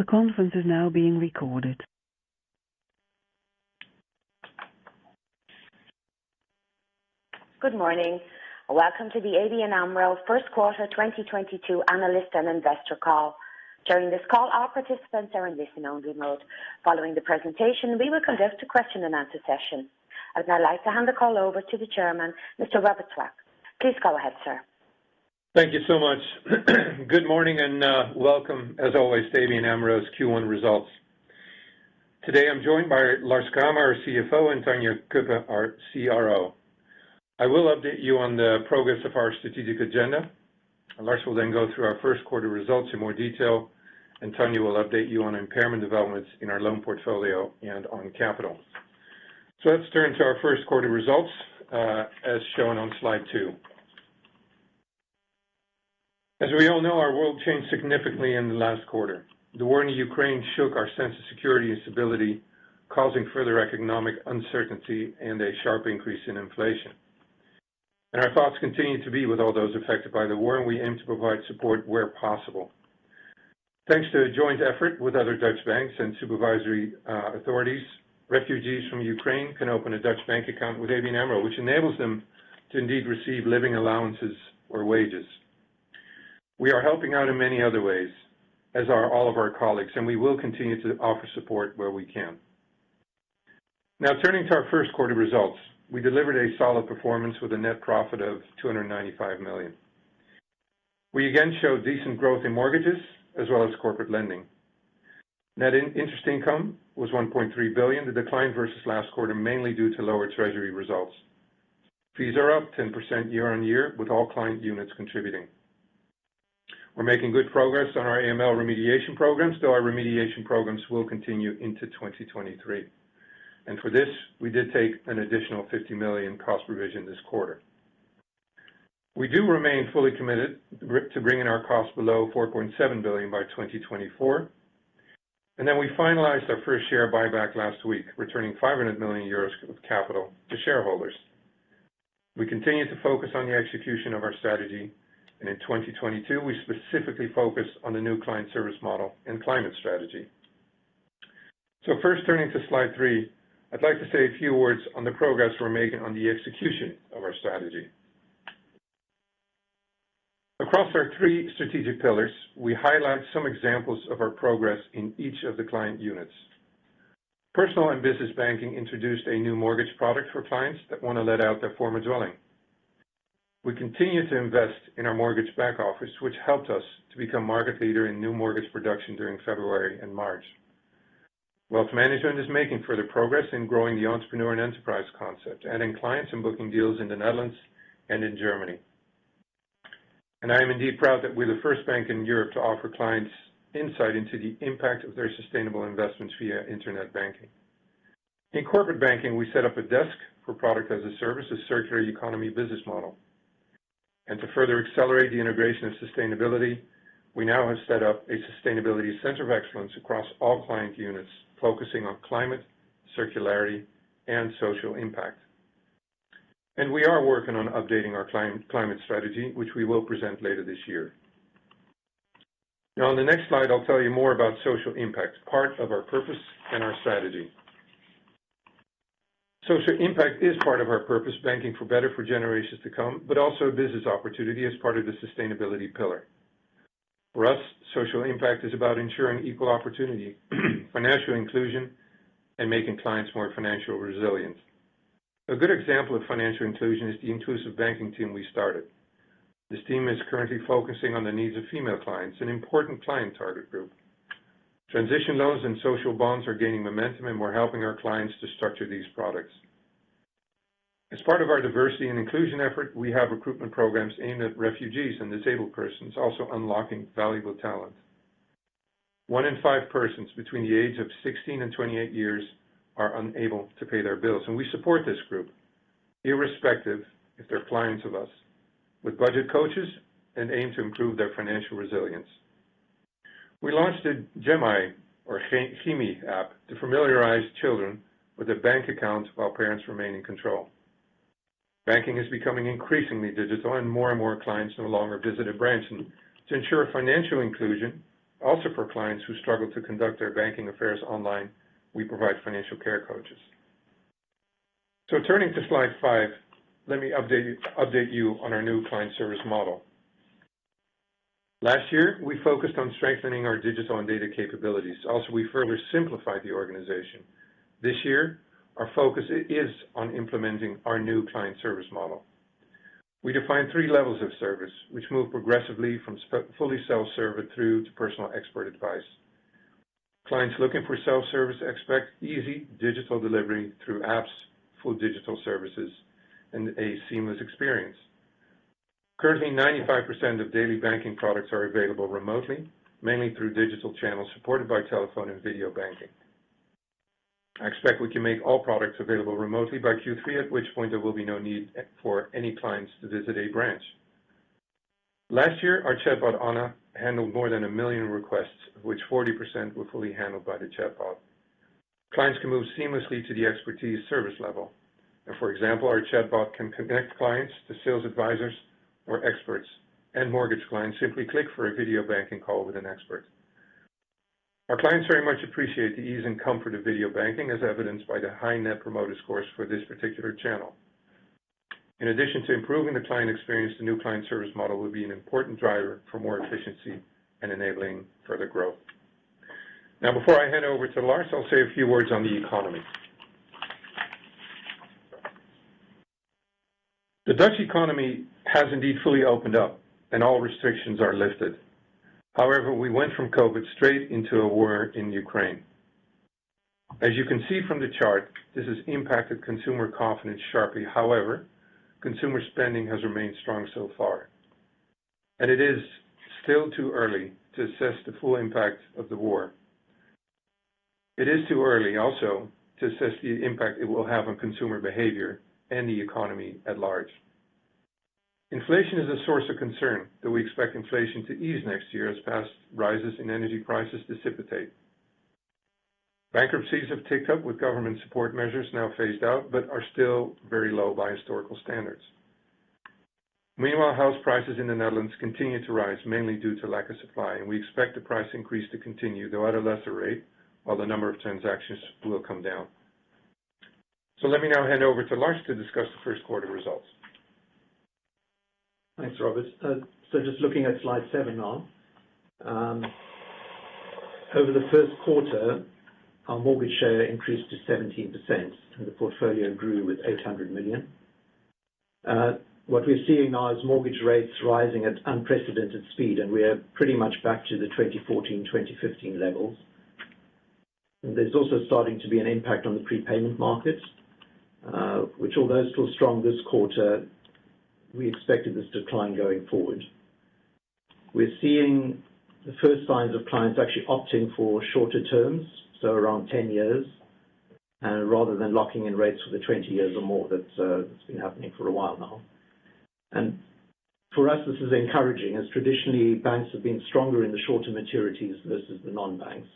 The conference is now being recorded. Good morning. Welcome to the ABN AMRO first quarter 2022 analyst and investor call. During this call, all participants are in listen only mode. Following the presentation, we will conduct a question and answer session. I'd now like to hand the call over to the chairman, Mr. Robert Swaak. Please go ahead, sir. Thank you so much. Good morning and welcome as always to ABN AMRO's Q1 results. Today I'm joined by Lars Kramer, our CFO, and Tanja Cuppen, our CRO. I will update you on the progress of our strategic agenda. Lars will then go through our first quarter results in more detail, and Tanja will update you on impairment developments in our loan portfolio and on capital. Let's turn to our first quarter results, as shown on slide two. As we all know, our world changed significantly in the last quarter. The war in Ukraine shook our sense of security and stability, causing further economic uncertainty and a sharp increase in inflation. Our thoughts continue to be with all those affected by the war, and we aim to provide support where possible. Thanks to a joint effort with other Dutch banks and supervisory authorities, refugees from Ukraine can open a Dutch bank account with ABN AMRO which enables them to indeed receive living allowances or wages. We are helping out in many other ways, as are all of our colleagues, and we will continue to offer support where we can. Now turning to our first quarter results. We delivered a solid performance with a net profit of 295 million. We again showed decent growth in mortgages as well as corporate lending. Net interest income was 1.3 billion, the decline versus last quarter, mainly due to lower treasury results. Fees are up 10% year-on-year with all client units contributing. We're making good progress on our AML remediation programs, though our remediation programs will continue into 2023. For this, we did take an additional 50 million cost provision this quarter. We do remain fully committed to bringing our costs below 4.7 billion by 2024. Then we finalized our first share buyback last week, returning 500 million euros of capital to shareholders. We continue to focus on the execution of our strategy, and in 2022, we specifically focused on the new client service model and climate strategy. First turning to slide three, I'd like to say a few words on the progress we're making on the execution of our strategy. Across our three strategic pillars, we highlight some examples of our progress in each of the client units. Personal and business banking introduced a new mortgage product for clients that wanna let out their former dwelling. We continue to invest in our mortgage back office, which helped us to become market leader in new mortgage production during February and March. Wealth management is making further progress in growing the entrepreneur and enterprise concept, adding clients and booking deals in the Netherlands and in Germany. I am indeed proud that we're the first bank in Europe to offer clients insight into the impact of their sustainable investments via internet banking. In corporate banking, we set up a desk for product as a service, a circular economy business model. To further accelerate the integration of sustainability, we now have set up a sustainability center of excellence across all client units, focusing on climate, circularity, and social impact. We are working on updating our climate strategy, which we will present later this year. Now on the next slide, I'll tell you more about social impact, part of our purpose and our strategy. Social impact is part of our purpose, banking for better for generations to come, but also a business opportunity as part of the sustainability pillar. For us, social impact is about ensuring equal opportunity, financial inclusion, and making clients more financial resilient. A good example of financial inclusion is the inclusive banking team we started. This team is currently focusing on the needs of female clients, an important client target group. Transition loans and social bonds are gaining momentum, and we're helping our clients to structure these products. As part of our diversity and inclusion effort, we have recruitment programs aimed at refugees and disabled persons, also unlocking valuable talent. one in five persons between the age of 16 and 28 years are unable to pay their bills, and we support this group, irrespective if they're clients of us, with budget coaches and aim to improve their financial resilience. We launched a Tikkie or Gimi app to familiarize children with a bank account while parents remain in control. Banking is becoming increasingly digital, and more and more clients no longer visit a branch. To ensure financial inclusion, also for clients who struggle to conduct their banking affairs online, we provide financial care coaches. Turning to slide five, let me update you on our new client service model. Last year, we focused on strengthening our digital and data capabilities. Also, we further simplified the organization. This year, our focus is on implementing our new client service model. We defined three levels of service, which move progressively from fully self-serve through to personal expert advice. Clients looking for self-service expect easy digital delivery through apps, full digital services, and a seamless experience. Currently, 95% of daily banking products are available remotely, mainly through digital channels supported by telephone and video banking. I expect we can make all products available remotely by Q3, at which point there will be no need for any clients to visit a branch. Last year, our chatbot, Anna, handled more than 1 million requests, which 40% were fully handled by the chatbot. Clients can move seamlessly to the expertise service level. For example, our chatbot can connect clients to sales advisors or experts, and mortgage clients simply click for a video banking call with an expert. Our clients very much appreciate the ease and comfort of video banking, as evidenced by the high Net Promoter Score for this particular channel. In addition to improving the client experience, the new client service model will be an important driver for more efficiency and enabling further growth. Now, before I hand over to Lars, I'll say a few words on the economy. The Dutch economy has indeed fully opened up and all restrictions are lifted. However, we went from COVID straight into a war in Ukraine. As you can see from the chart, this has impacted consumer confidence sharply. However, consumer spending has remained strong so far, and it is still too early to assess the full impact of the war. It is too early also to assess the impact it will have on consumer behavior and the economy at large. Inflation is a source of concern, though we expect inflation to ease next year as past rises in energy prices dissipate. Bankruptcies have ticked up with government support measures now phased out, but are still very low by historical standards. Meanwhile, house prices in the Netherlands continue to rise, mainly due to lack of supply, and we expect the price increase to continue, though at a lesser rate, while the number of transactions will come down. Let me now hand over to Lars to discuss the first quarter results. Thanks, Robert. So just looking at slide seven now. Over the first quarter, our mortgage share increased to 17% and the portfolio grew with 800 million. What we're seeing now is mortgage rates rising at unprecedented speed, and we are pretty much back to the 2014, 2015 levels. There's also starting to be an impact on the prepayment market, which although still strong this quarter, we expected this decline going forward. We're seeing the first signs of clients actually opting for shorter terms, so around 10 years, rather than locking in rates for the 20 years or more that's been happening for a while now. For us, this is encouraging, as traditionally banks have been stronger in the shorter maturities versus the non-banks.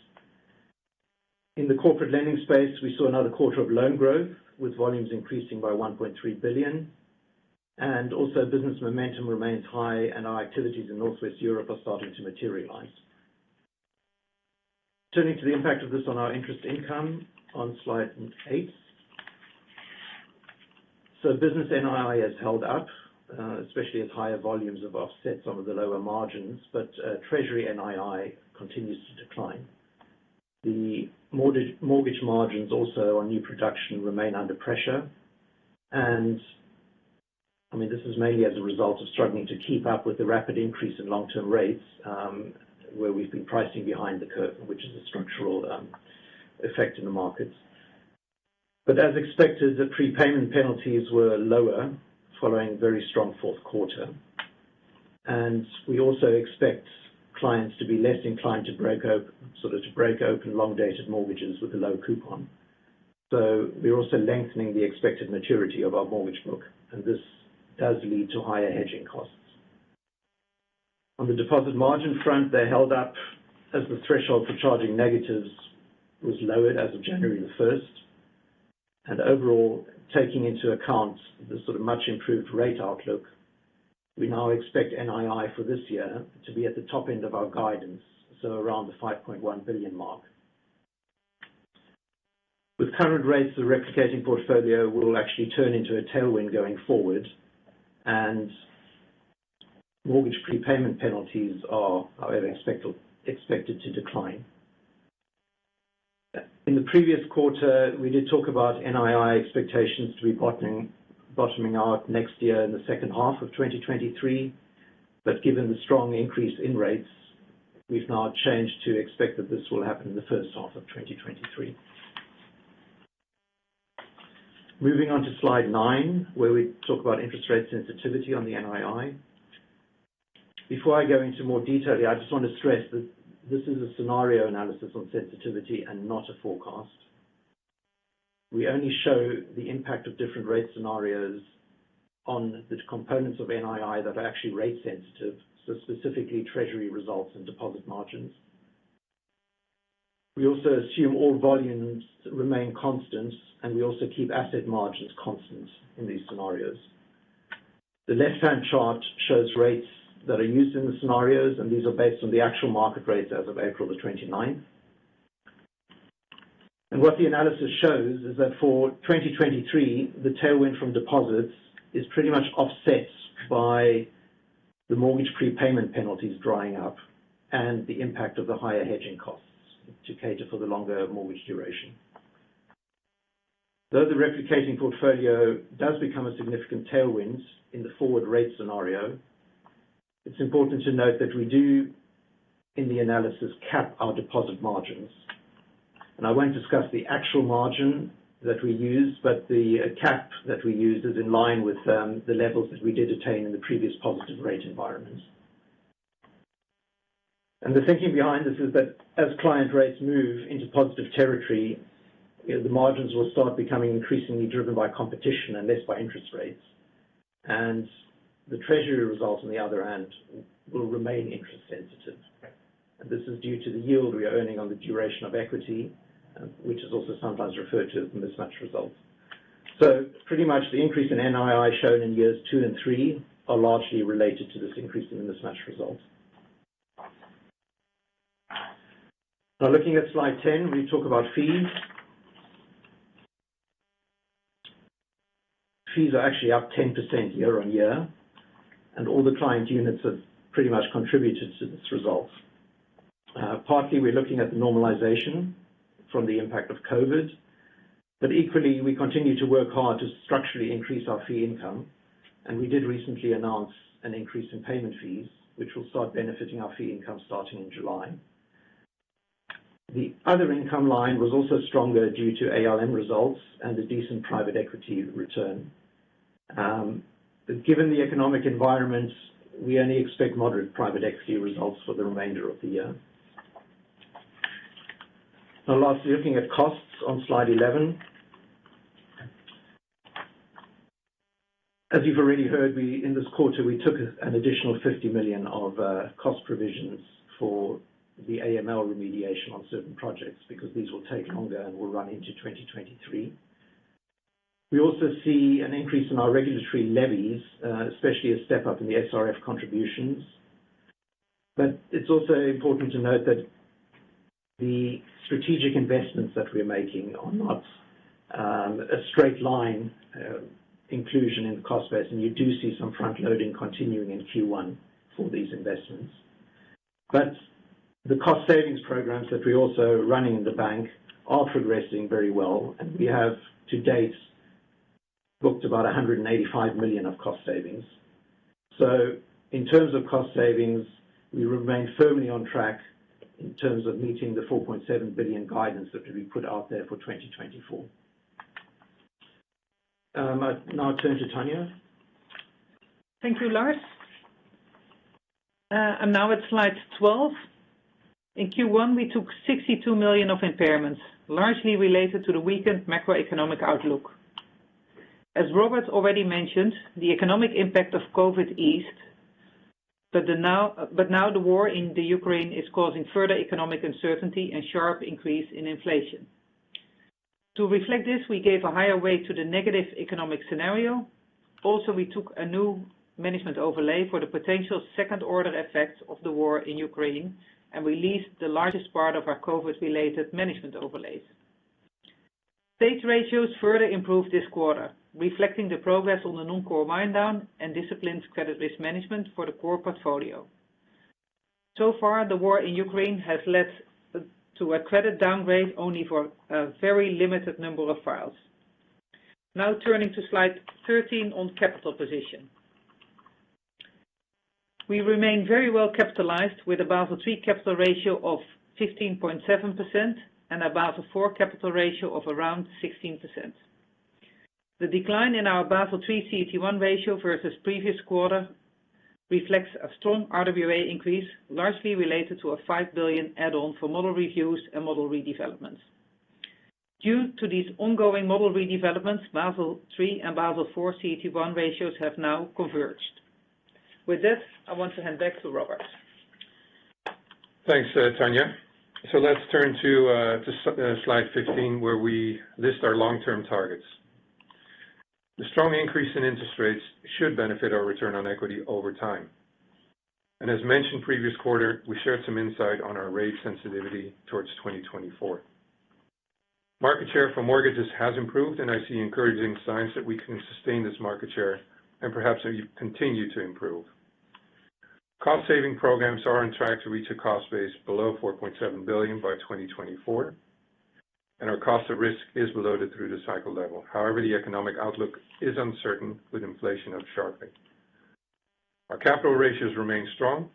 In the corporate lending space, we saw another quarter of loan growth, with volumes increasing by 1.3 billion. Business momentum remains high and our activities in northwest Europe are starting to materialize. Turning to the impact of this on our interest income on slide eight. Business NII has held up, especially as higher volumes have offset some of the lower margins, but treasury NII continues to decline. The mortgage margins also on new production remain under pressure. I mean, this is mainly as a result of struggling to keep up with the rapid increase in long-term rates, where we've been pricing behind the curve, which is a structural effect in the markets. As expected, the prepayment penalties were lower following a very strong Q4. We also expect clients to be less inclined to break open long-dated mortgages with a low coupon. We're also lengthening the expected maturity of our mortgage book, and this does lead to higher hedging costs. On the deposit margin front, they held up as the threshold for charging negatives was lowered as of January 1. Overall, taking into account the much improved rate outlook, we now expect NII for this year to be at the top end of our guidance, around 5.1 billion. With current rates, the replicating portfolio will actually turn into a tailwind going forward, and mortgage prepayment penalties are, however, expected to decline. In the previous quarter, we did talk about NII expectations to be bottoming out next year in the second half of 2023. Given the strong increase in rates, we've now changed to expect that this will happen in the first half of 2023. Moving on to slide nine, where we talk about interest rate sensitivity on the NII. Before I go into more detail here, I just want to stress that this is a scenario analysis on sensitivity and not a forecast. We only show the impact of different rate scenarios on the components of NII that are actually rate sensitive, so specifically treasury results and deposit margins. We also assume all volumes remain constant, and we also keep asset margins constant in these scenarios. The left-hand chart shows rates that are used in the scenarios, and these are based on the actual market rates as of April 29. What the analysis shows is that for 2023, the tailwind from deposits is pretty much offset by the mortgage prepayment penalties drying up and the impact of the higher hedging costs to cater for the longer mortgage duration. Though the replicating portfolio does become a significant tailwind in the forward rate scenario, it's important to note that we do, in the analysis, cap our deposit margins. I won't discuss the actual margin that we use, but the cap that we used is in line with the levels that we did attain in the previous positive rate environment. The treasury results on the other hand will remain interest sensitive. This is due to the yield we are earning on the duration of equity, which is also sometimes referred to as mismatch results. Pretty much the increase in NII shown in years two and three are largely related to this increase in mismatch results. Now looking at slide 10, we talk about fees. Fees are actually up 10% year-on-year, and all the client units have pretty much contributed to this result. Partly, we're looking at the normalization from the impact of COVID, but equally, we continue to work hard to structurally increase our fee income. We did recently announce an increase in payment fees, which will start benefiting our fee income starting in July. The other income line was also stronger due to ALM results and the decent private equity return. Given the economic environments, we only expect moderate private equity results for the remainder of the year. Now, lastly, looking at costs on slide 11. As you've already heard, in this quarter, we took an additional 50 million of cost provisions for the AML remediation on certain projects because these will take longer and will run into 2023. We also see an increase in our regulatory levies, especially a step up in the SRB contributions. It's also important to note that the strategic investments that we're making are not a straight line inclusion in the cost base, and you do see some front loading continuing in Q1 for these investments. The cost savings programs that we're also running in the bank are progressing very well. We have to date booked about 185 million of cost savings. In terms of cost savings, we remain firmly on track in terms of meeting the 4.7 billion guidance that we put out there for 2024. I'll now turn to Tanja. Thank you, Lars. I'm now at slide 12. In Q1, we took 62 million of impairments, largely related to the weakened macroeconomic outlook. As Robert already mentioned, the economic impact of COVID eased, but now the war in Ukraine is causing further economic uncertainty and sharp increase in inflation. To reflect this, we gave a higher weight to the negative economic scenario. Also, we took a new management overlay for the potential second-order effects of the war in Ukraine, and we released the largest part of our COVID-related management overlays. Stage ratios further improved this quarter, reflecting the progress on the non-core wind down and disciplined credit risk management for the core portfolio. So far, the war in Ukraine has led to a credit downgrade only for a very limited number of files. Now turning to slide 13 on capital position. We remain very well capitalized with a Basel III capital ratio of 15.7% and a Basel IV capital ratio of around 16%. The decline in our Basel III CET1 ratio versus previous quarter reflects a strong RWA increase, largely related to a 5 billion add-on for model reviews and model redevelopments. Due to these ongoing model redevelopments, Basel III and Basel IV CET1 ratios have now converged. With this, I want to hand back to Robert. Thanks, Tanja. Let's turn to slide 15, where we list our long-term targets. The strong increase in interest rates should benefit our return on equity over time. As mentioned previous quarter, we shared some insight on our rate sensitivity towards 2024. Market share for mortgages has improved, and I see encouraging signs that we can sustain this market share and perhaps even continue to improve. Cost saving programs are on track to reach a cost base below 4.7 billion by 2024, and our cost of risk is below the through-the-cycle level. However, the economic outlook is uncertain with inflation up sharply. Our capital ratios remain strong,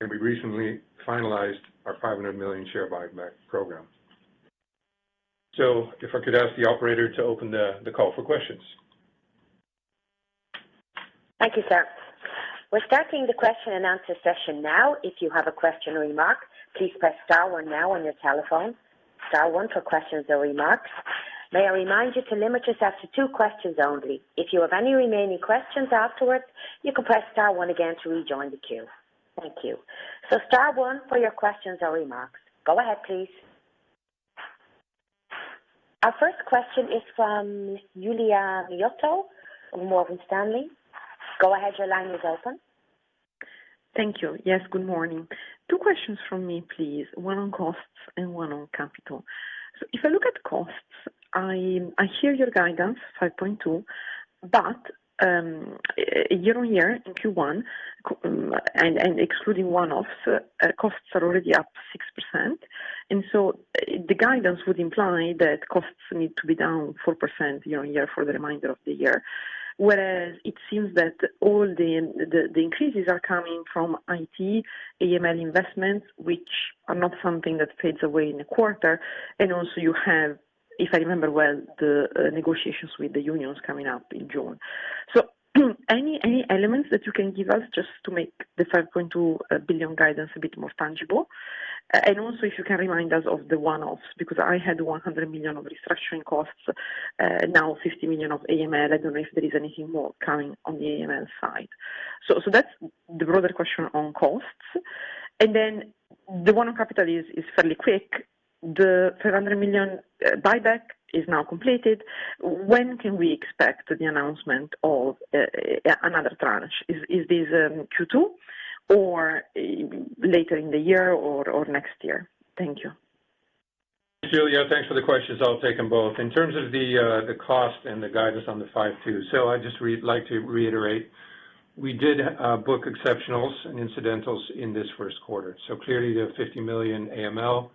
and we recently finalized our 500 million share buyback program. If I could ask the operator to open the call for questions. Thank you, sir. We're starting the question and answer session now. If you have a question or remark, please press star one now on your telephone. Star one for questions or remarks. May I remind you to limit yourself to two questions only. If you have any remaining questions afterwards, you can press star one again to rejoin the queue. Thank you. Star one for your questions or remarks. Go ahead, please. Our first question is from Giulia Miotto of Morgan Stanley. Go ahead. Your line is open. Thank you. Yes, good morning. Two questions from me, please. One on costs and one on capital. If I look at costs, I hear your guidance, 5.2. Year-on-year in Q1, excluding one-offs, costs are already up 6%. The guidance would imply that costs need to be down 4% year-on-year for the remainder of the year. Whereas it seems that all the increases are coming from IT, AML investments, which are not something that fades away in a quarter. You have, if I remember well, the negotiations with the unions coming up in June. Any elements that you can give us just to make the 5.2 billion guidance a bit more tangible. Also if you can remind us of the one-offs, because I had 100 million of restructuring costs, now 50 million of AML. I don't know if there is anything more coming on the AML side. That's the broader question on costs. Then the one on capital is fairly quick. The 500 million buyback is now completed. When can we expect the announcement of another tranche? Is this Q2 or later in the year or next year? Thank you. Giulia, thanks for the questions. I'll take them both. In terms of the cost and the guidance on the 52. I'd just like to reiterate, we did book exceptionals and incidentals in this first quarter. Clearly the 50 million AML,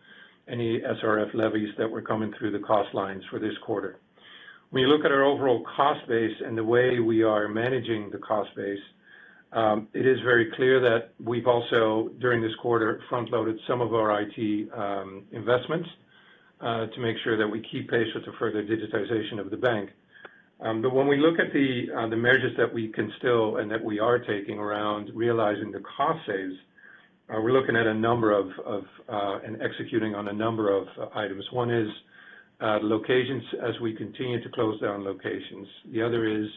any SRF levies that were coming through the cost lines for this quarter. When you look at our overall cost base and the way we are managing the cost base, it is very clear that we've also, during this quarter, front-loaded some of our IT investments to make sure that we keep pace with the further digitization of the bank. But when we look at the measures that we can still and that we are taking around realizing the cost saves, we're looking at a number of and executing on a number of items. One is locations as we continue to close down locations. The other is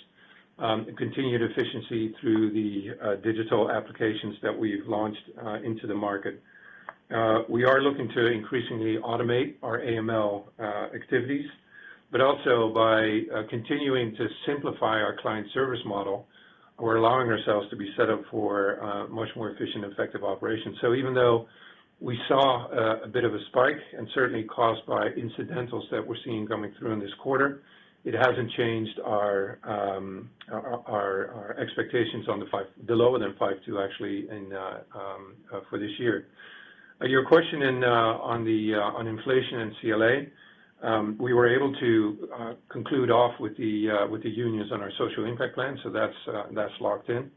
continued efficiency through the digital applications that we've launched into the market. We are looking to increasingly automate our AML activities, but also by continuing to simplify our client service model, we're allowing ourselves to be set up for much more efficient and effective operations. Even though we saw a bit of a spike and certainly caused by incidentals that we're seeing coming through in this quarter, it hasn't changed our expectations on the lower than 52% actually in for this year. Your question on inflation and CLA, we were able to conclude off with the unions on our social impact plan, so that's locked in.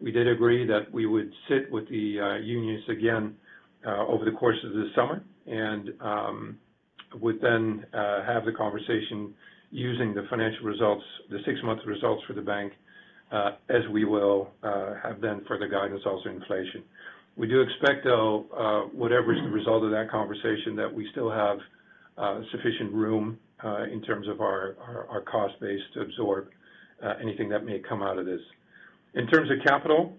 We did agree that we would sit with the unions again over the course of this summer, and would then have the conversation using the financial results, the six-month results for the bank, as we will have then further guidance also inflation. We do expect, though, whatever is the result of that conversation, that we still have sufficient room in terms of our cost base to absorb anything that may come out of this. In terms of capital,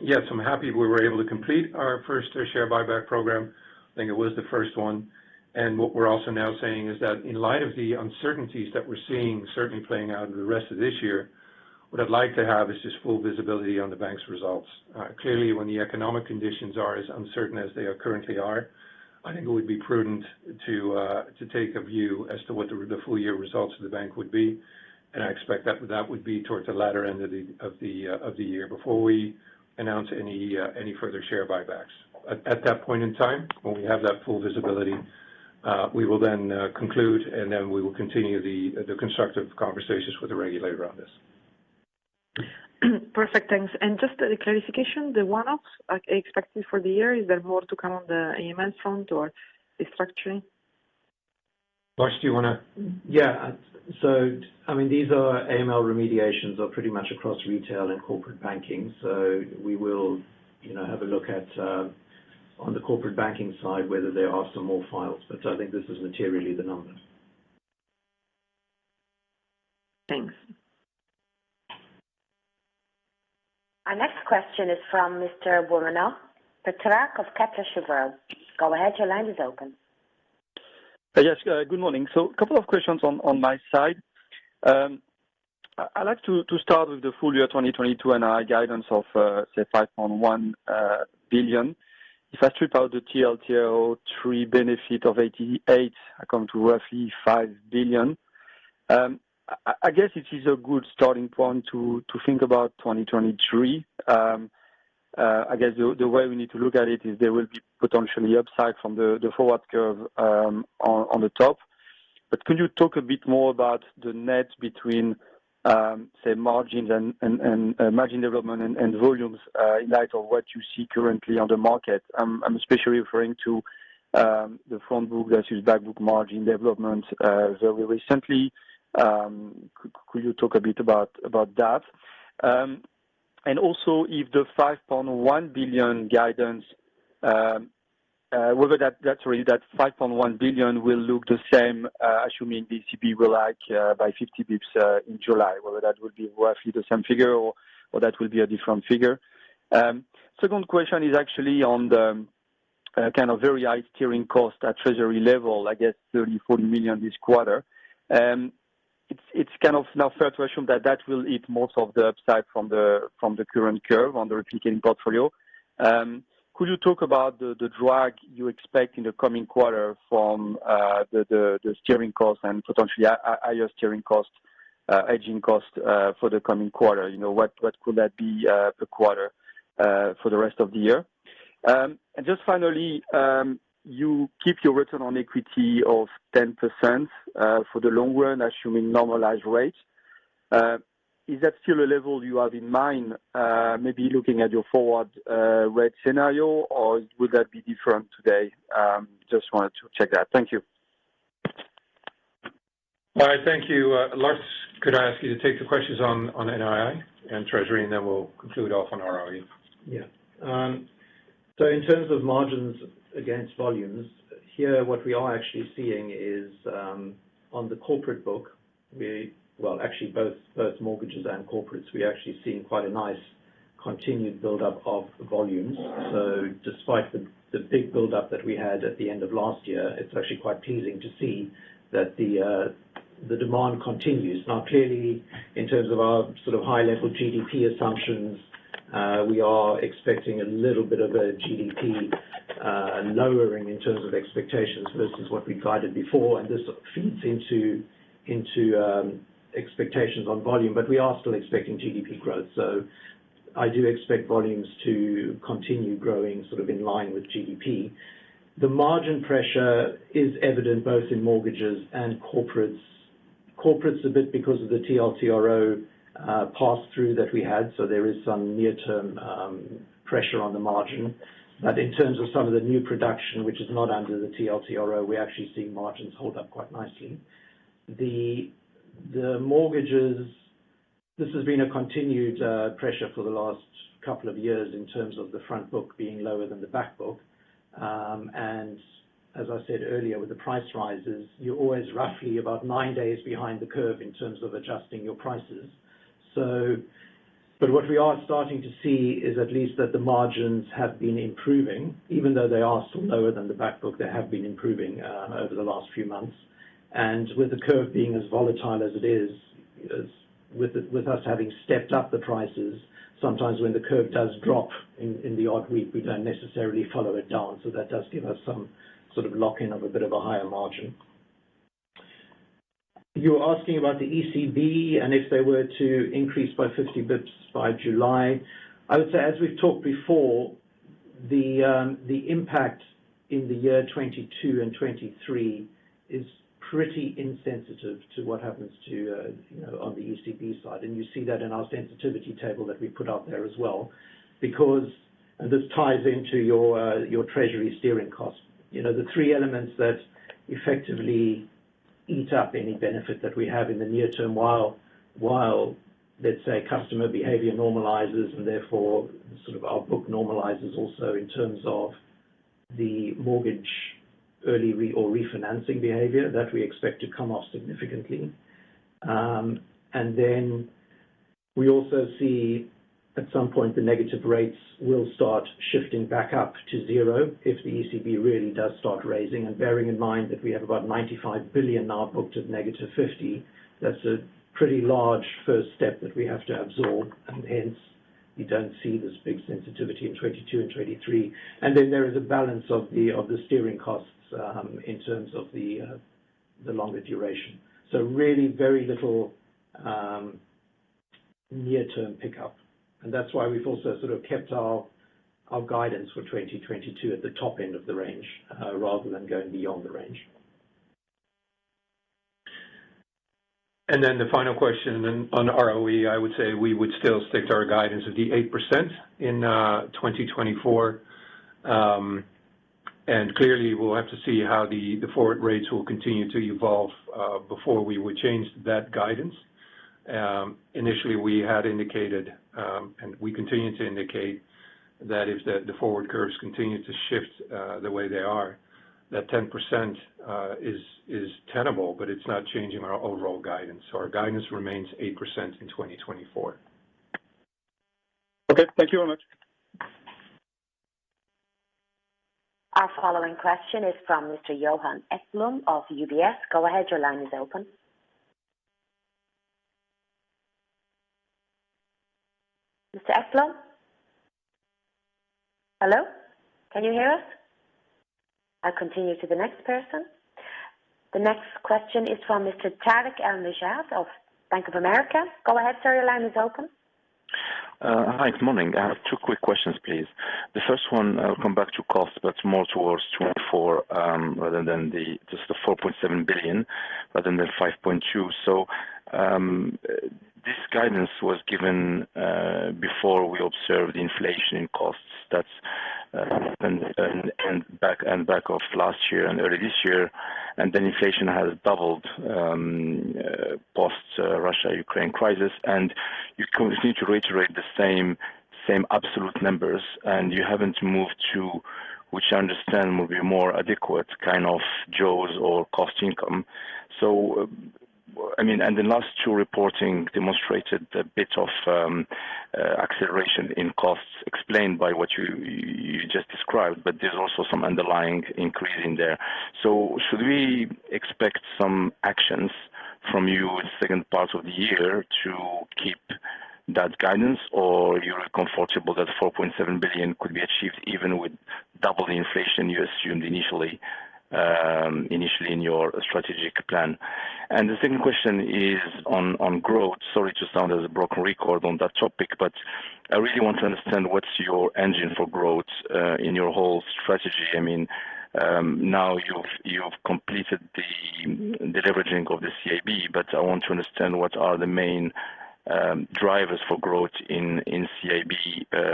yes, I'm happy we were able to complete our first share buyback program. I think it was the first one. What we're also now saying is that in light of the uncertainties that we're seeing certainly playing out in the rest of this year, what I'd like to have is just full visibility on the bank's results. Clearly, when the economic conditions are as uncertain as they currently are, I think it would be prudent to take a view as to what the full year results of the bank would be, and I expect that that would be towards the latter end of the year before we announce any further share buybacks. At that point in time, when we have that full visibility, we will then conclude, and then we will continue the constructive conversations with the regulator on this. Perfect. Thanks. Just a clarification, the one-offs expected for the year, is there more to come on the AML front or restructuring? Lars, do you wanna- Yeah. I mean, these AML remediations are pretty much across retail and corporate banking. We will, you know, have a look at on the corporate banking side, whether there are some more files. I think this is materially the numbers. Thanks. Our next question is from Mr. Benoît Pétrarque of Credit Suisse. Go ahead, your line is open. Yes, good morning. A couple of questions on my side. I'd like to start with the full year 2022 and our guidance of say 5.1 billion. If I strip out the TLTRO III benefit of 88 million, I come to roughly 5 billion. I guess it is a good starting point to think about 2023. I guess the way we need to look at it is there will be potentially upside from the forward curve on the top. But could you talk a bit more about the net between say margins and margin development and volumes in light of what you see currently on the market? I'm especially referring to the front book versus back book margin development very recently. Could you talk a bit about that? Also, if the 5.1 billion guidance, whether that's really that 5.1 billion will look the same, assuming ECB will hike by 50 bps in July, whether that would be roughly the same figure or that will be a different figure. Second question is actually on the kind of very high steering cost at treasury level, I guess 30-40 million this quarter. It's kind of now fair to assume that will eat most of the upside from the current curve on the risk-taking portfolio. Could you talk about the drag you expect in the coming quarter from the steering cost and potentially higher steering cost, hedging cost, for the coming quarter? You know, what could that be per quarter for the rest of the year? Just finally, you keep your return on equity of 10% for the long run, assuming normalized rates. Is that still a level you have in mind, maybe looking at your forward rate scenario, or would that be different today? Just wanted to check that. Thank you. All right. Thank you. Lars, could I ask you to take the questions on NII and treasury, and then we'll conclude off on ROE. Yeah. In terms of margins against volumes, here, what we are actually seeing is, on the corporate book, well, actually both mortgages and corporates, we actually seen quite a nice continued build-up of volumes. Despite the big build-up that we had at the end of last year, it's actually quite pleasing to see that the demand continues. Now, clearly, in terms of our sort of high-level GDP assumptions, we are expecting a little bit of a GDP lowering in terms of expectations versus what we guided before. This feeds into expectations on volume. We are still expecting GDP growth. I do expect volumes to continue growing sort of in line with GDP. The margin pressure is evident both in mortgages and corporates. Corporates a bit because of the TLTRO pass-through that we had, so there is some near-term pressure on the margin. In terms of some of the new production, which is not under the TLTRO, we're actually seeing margins hold up quite nicely. The mortgages, this has been a continued pressure for the last couple of years in terms of the front book being lower than the back book. As I said earlier, with the price rises, you're always roughly about nine days behind the curve in terms of adjusting your prices. What we are starting to see is at least that the margins have been improving. Even though they are still lower than the back book, they have been improving over the last few months. With the curve being as volatile as it is, with us having stepped up the prices, sometimes when the curve does drop in the odd week, we don't necessarily follow it down, so that does give us some sort of lock-in of a bit of a higher margin. You were asking about the ECB and if they were to increase by 50 basis points by July. I would say, as we've talked before, the impact in the year 2022 and 2023 is pretty insensitive to what happens to, you know, on the ECB side. You see that in our sensitivity table that we put out there as well. Because this ties into your treasury steering costs. You know, the three elements that effectively eat up any benefit that we have in the near term while, let's say, customer behavior normalizes, and therefore sort of our book normalizes also in terms of the mortgage early re- or refinancing behavior, that we expect to come off significantly. Then we also see at some point the negative rates will start shifting back up to zero if the ECB really does start raising. Bearing in mind that we have about 95 billion now booked at negative 50, that's a pretty large first step that we have to absorb, and hence you don't see this big sensitivity in 2022 and 2023. Then there is a balance of the steering costs in terms of the longer duration. Really very little near-term pickup. That's why we've also sort of kept our guidance for 2022 at the top end of the range, rather than going beyond the range. Then the final question then on ROE, I would say we would still stick to our guidance at the 8% in 2024. And clearly we'll have to see how the forward rates will continue to evolve before we would change that guidance. Initially we had indicated, and we continue to indicate that if the forward curves continue to shift the way they are, that 10% is tenable, but it's not changing our overall guidance. Our guidance remains 8% in 2024. Okay. Thank you very much. Our following question is from Mr. Johan Ekblom of UBS. Go ahead, your line is open. Mr. Ekblom? Hello? Can you hear us? I'll continue to the next person. The next question is from Mr. Tarik El Mejjad of Bank of America. Go ahead, sir, your line is open. Hi. Good morning. I have two quick questions, please. The first one, I'll come back to costs, but more towards 2024 rather than the 4.7 billion rather than the 5.2 billion. This guidance was given before we observed inflation costs. That's end of last year and early this year. Inflation has doubled post Russia-Ukraine crisis. You seem to reiterate the same absolute numbers, and you haven't moved to, which I understand will be more adequate kind of JOEs or cost income. I mean, the last two reporting demonstrated a bit of acceleration in costs explained by what you just described, but there's also some underlying increase in there. Should we expect some actions from you in second part of the year to keep that guidance, or you're comfortable that 4.7 billion could be achieved even with double the inflation you assumed initially in your strategic plan? The second question is on growth. Sorry to sound as a broken record on that topic, but I really want to understand what's your engine for growth in your whole strategy. I mean, now you've completed the deleveraging of the CIB, but I want to understand what are the main drivers for growth in CIB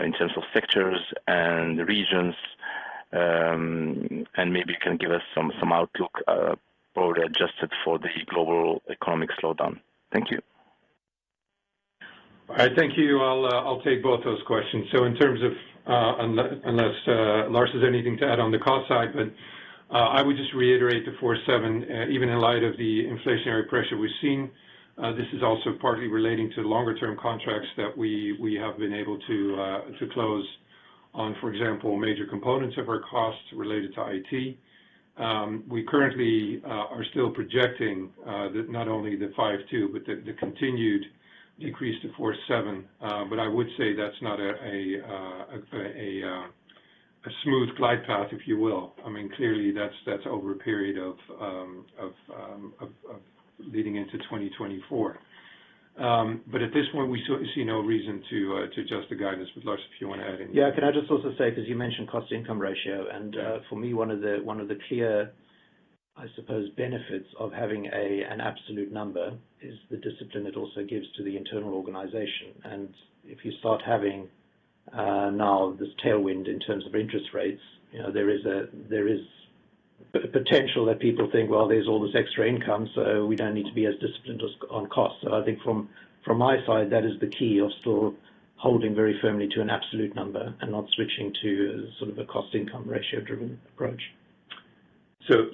in terms of sectors and regions. Maybe you can give us some outlook already adjusted for the global economic slowdown. Thank you. All right. Thank you. I'll take both those questions. In terms of unless Lars has anything to add on the cost side, but I would just reiterate the 47% even in light of the inflationary pressure we've seen, this is also partly relating to longer term contracts that we have been able to close on. For example, major components of our costs related to IT. We currently are still projecting that not only the 52% but the continued decrease to 47%. I would say that's not a smooth glide path, if you will. I mean, clearly that's over a period of leading into 2024. At this point, we see no reason to adjust the guidance. Lars, if you wanna add anything. Yeah. Can I just also say, 'cause you mentioned cost income ratio, and for me, one of the clear, I suppose, benefits of having an absolute number is the discipline it also gives to the internal organization. If you start having now this tailwind in terms of interest rates, you know, there is potential that people think, well, there's all this extra income, so we don't need to be as disciplined on cost. I think from my side, that is the key of still holding very firmly to an absolute number and not switching to sort of a cost income ratio driven approach.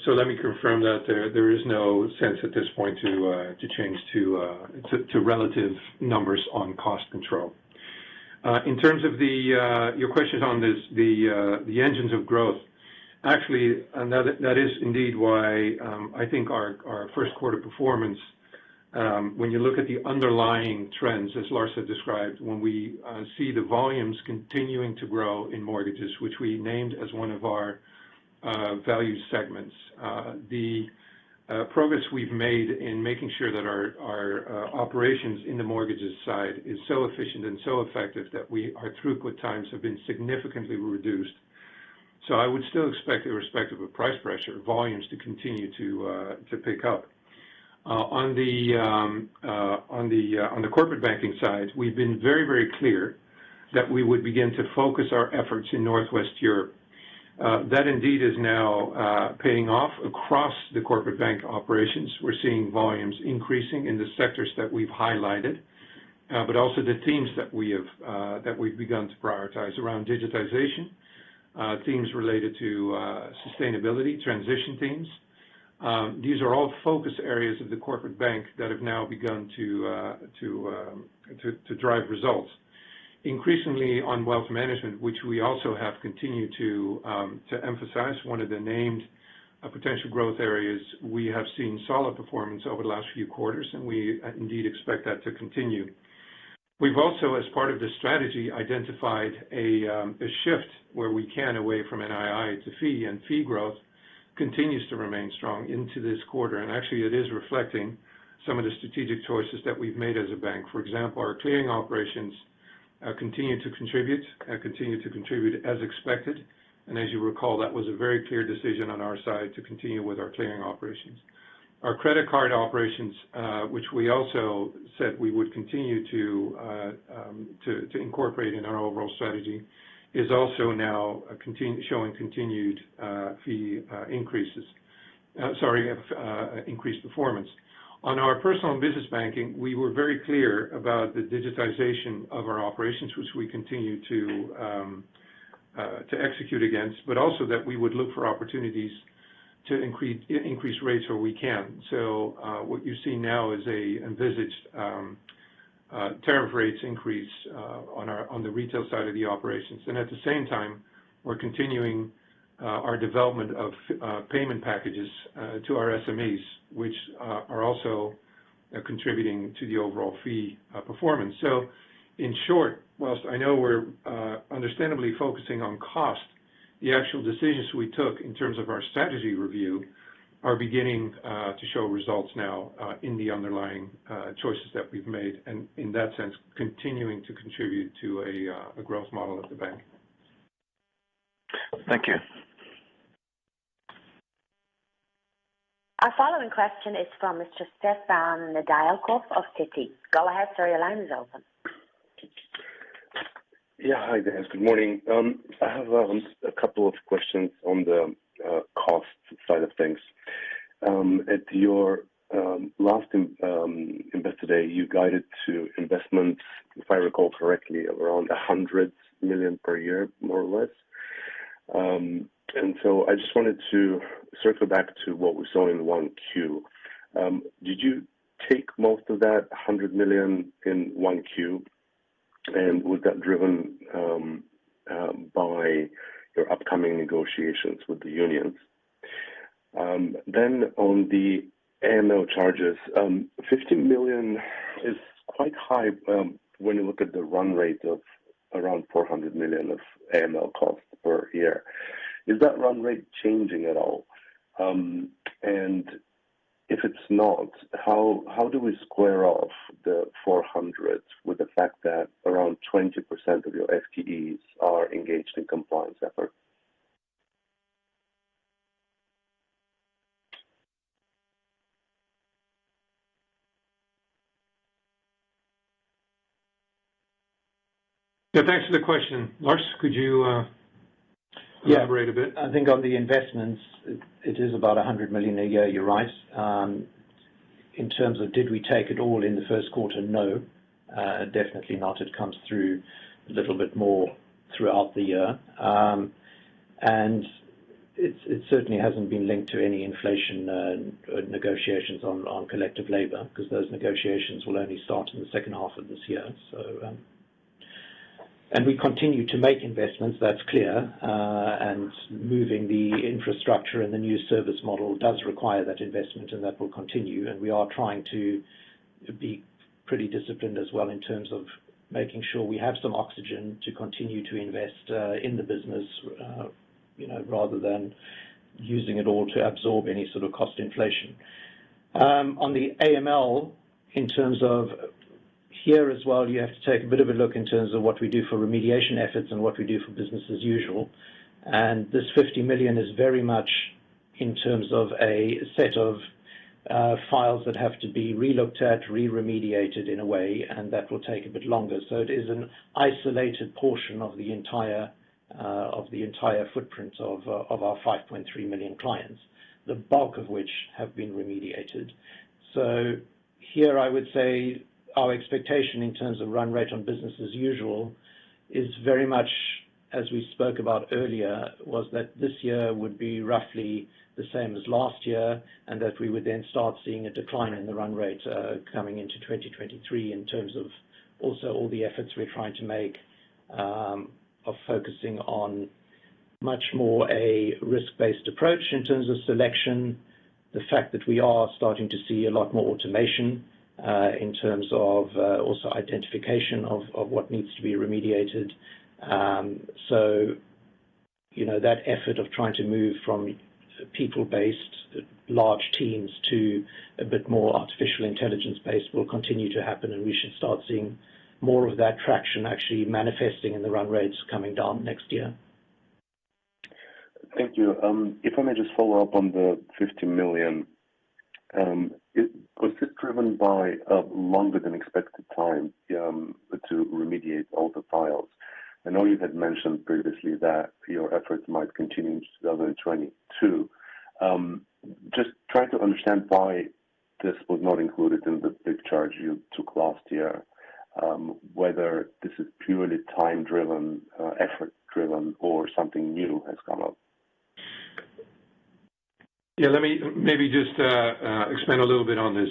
Let me confirm that there is no sense at this point to change to relative numbers on cost control. In terms of your questions on this, the engines of growth. Actually, that is indeed why I think our first quarter performance, when you look at the underlying trends, as Lars has described, when we see the volumes continuing to grow in mortgages, which we named as one of our value segments, the progress we've made in making sure that our operations in the mortgages side is so efficient and so effective that our throughput times have been significantly reduced. I would still expect irrespective of price pressure, volumes to continue to pick up. On the corporate banking side, we've been very, very clear that we would begin to focus our efforts in Northwest Europe. That indeed is now paying off across the corporate bank operations. We're seeing volumes increasing in the sectors that we've highlighted, but also the themes that we have that we've begun to prioritize around digitization, themes related to sustainability, transition themes. These are all focus areas of the corporate bank that have now begun to drive results. Increasingly on wealth management, which we also have continued to emphasize one of the named potential growth areas. We have seen solid performance over the last few quarters, and we indeed expect that to continue. We've also, as part of this strategy, identified a shift away from NII to fee, and fee growth continues to remain strong into this quarter. Actually, it is reflecting some of the strategic choices that we've made as a bank. For example, our clearing operations continue to contribute as expected. As you recall, that was a very clear decision on our side to continue with our clearing operations. Our credit card operations, which we also said we would continue to incorporate in our overall strategy, is also now showing continued fee increases. Sorry, increased performance. On our personal and business banking, we were very clear about the digitization of our operations, which we continue to execute against, but also that we would look for opportunities to increase rates where we can. What you see now is a envisaged tariff rates increase on our, on the retail side of the operations. At the same time, we're continuing our development of payment packages to our SMEs, which are also contributing to the overall fee performance. In short, while I know we're understandably focusing on cost, the actual decisions we took in terms of our strategy review are beginning to show results now in the underlying choices that we've made, and in that sense, continuing to contribute to a growth model at the bank. Thank you. Our following question is from Mr. Stefan Nedialkov of Citi. Go ahead, sir. Your line is open. Yeah. Hi guys. Good morning. I have a couple of questions on the cost side of things. At your last Investor Day, you guided to investments, if I recall correctly, around 100 million per year, more or less. I just wanted to circle back to what we saw in 1Q. Did you take most of that 100 million in 1Q? And was that driven by your upcoming negotiations with the unions? On the AML charges, 50 million is quite high when you look at the run rate of around 400 million of AML costs per year. Is that run rate changing at all? If it's not, how do we square off the 400 with the fact that around 20% of your FTEs are engaged in compliance efforts? Yeah, thanks for the question. Lars, could you Yeah Elaborate a bit? I think on the investments it is about 100 million a year. You're right. In terms of did we take it all in the first quarter, no, definitely not. It comes through a little bit more throughout the year. It certainly hasn't been linked to any inflation negotiations on collective labor, because those negotiations will only start in the second half of this year. We continue to make investments, that's clear. Moving the infrastructure and the new service model does require that investment, and that will continue. We are trying to be pretty disciplined as well in terms of making sure we have some oxygen to continue to invest in the business, you know, rather than using it all to absorb any sort of cost inflation. On the AML, in terms of here as well, you have to take a bit of a look in terms of what we do for remediation efforts and what we do for business as usual. This 50 million is very much in terms of a set of files that have to be re-looked at, re-remediated in a way, and that will take a bit longer. It is an isolated portion of the entire footprint of our 5.3 million clients, the bulk of which have been remediated. Here I would say our expectation in terms of run rate on business as usual is very much as we spoke about earlier, was that this year would be roughly the same as last year, and that we would then start seeing a decline in the run rate, coming into 2023 in terms of also all the efforts we're trying to make, of focusing on much more a risk-based approach in terms of selection. The fact that we are starting to see a lot more automation, in terms of also identification of what needs to be remediated. You know, that effort of trying to move from people-based large teams to a bit more artificial intelligence-based will continue to happen, and we should start seeing more of that traction actually manifesting in the run rates coming down next year. Thank you. If I may just follow up on the 50 million. Was this driven by a longer than expected time to remediate all the files? I know you had mentioned previously that your efforts might continue into 2022. Just trying to understand why this was not included in the big charge you took last year, whether this is purely time driven, effort driven, or something new has come up. Yeah, let me maybe just expand a little bit on this.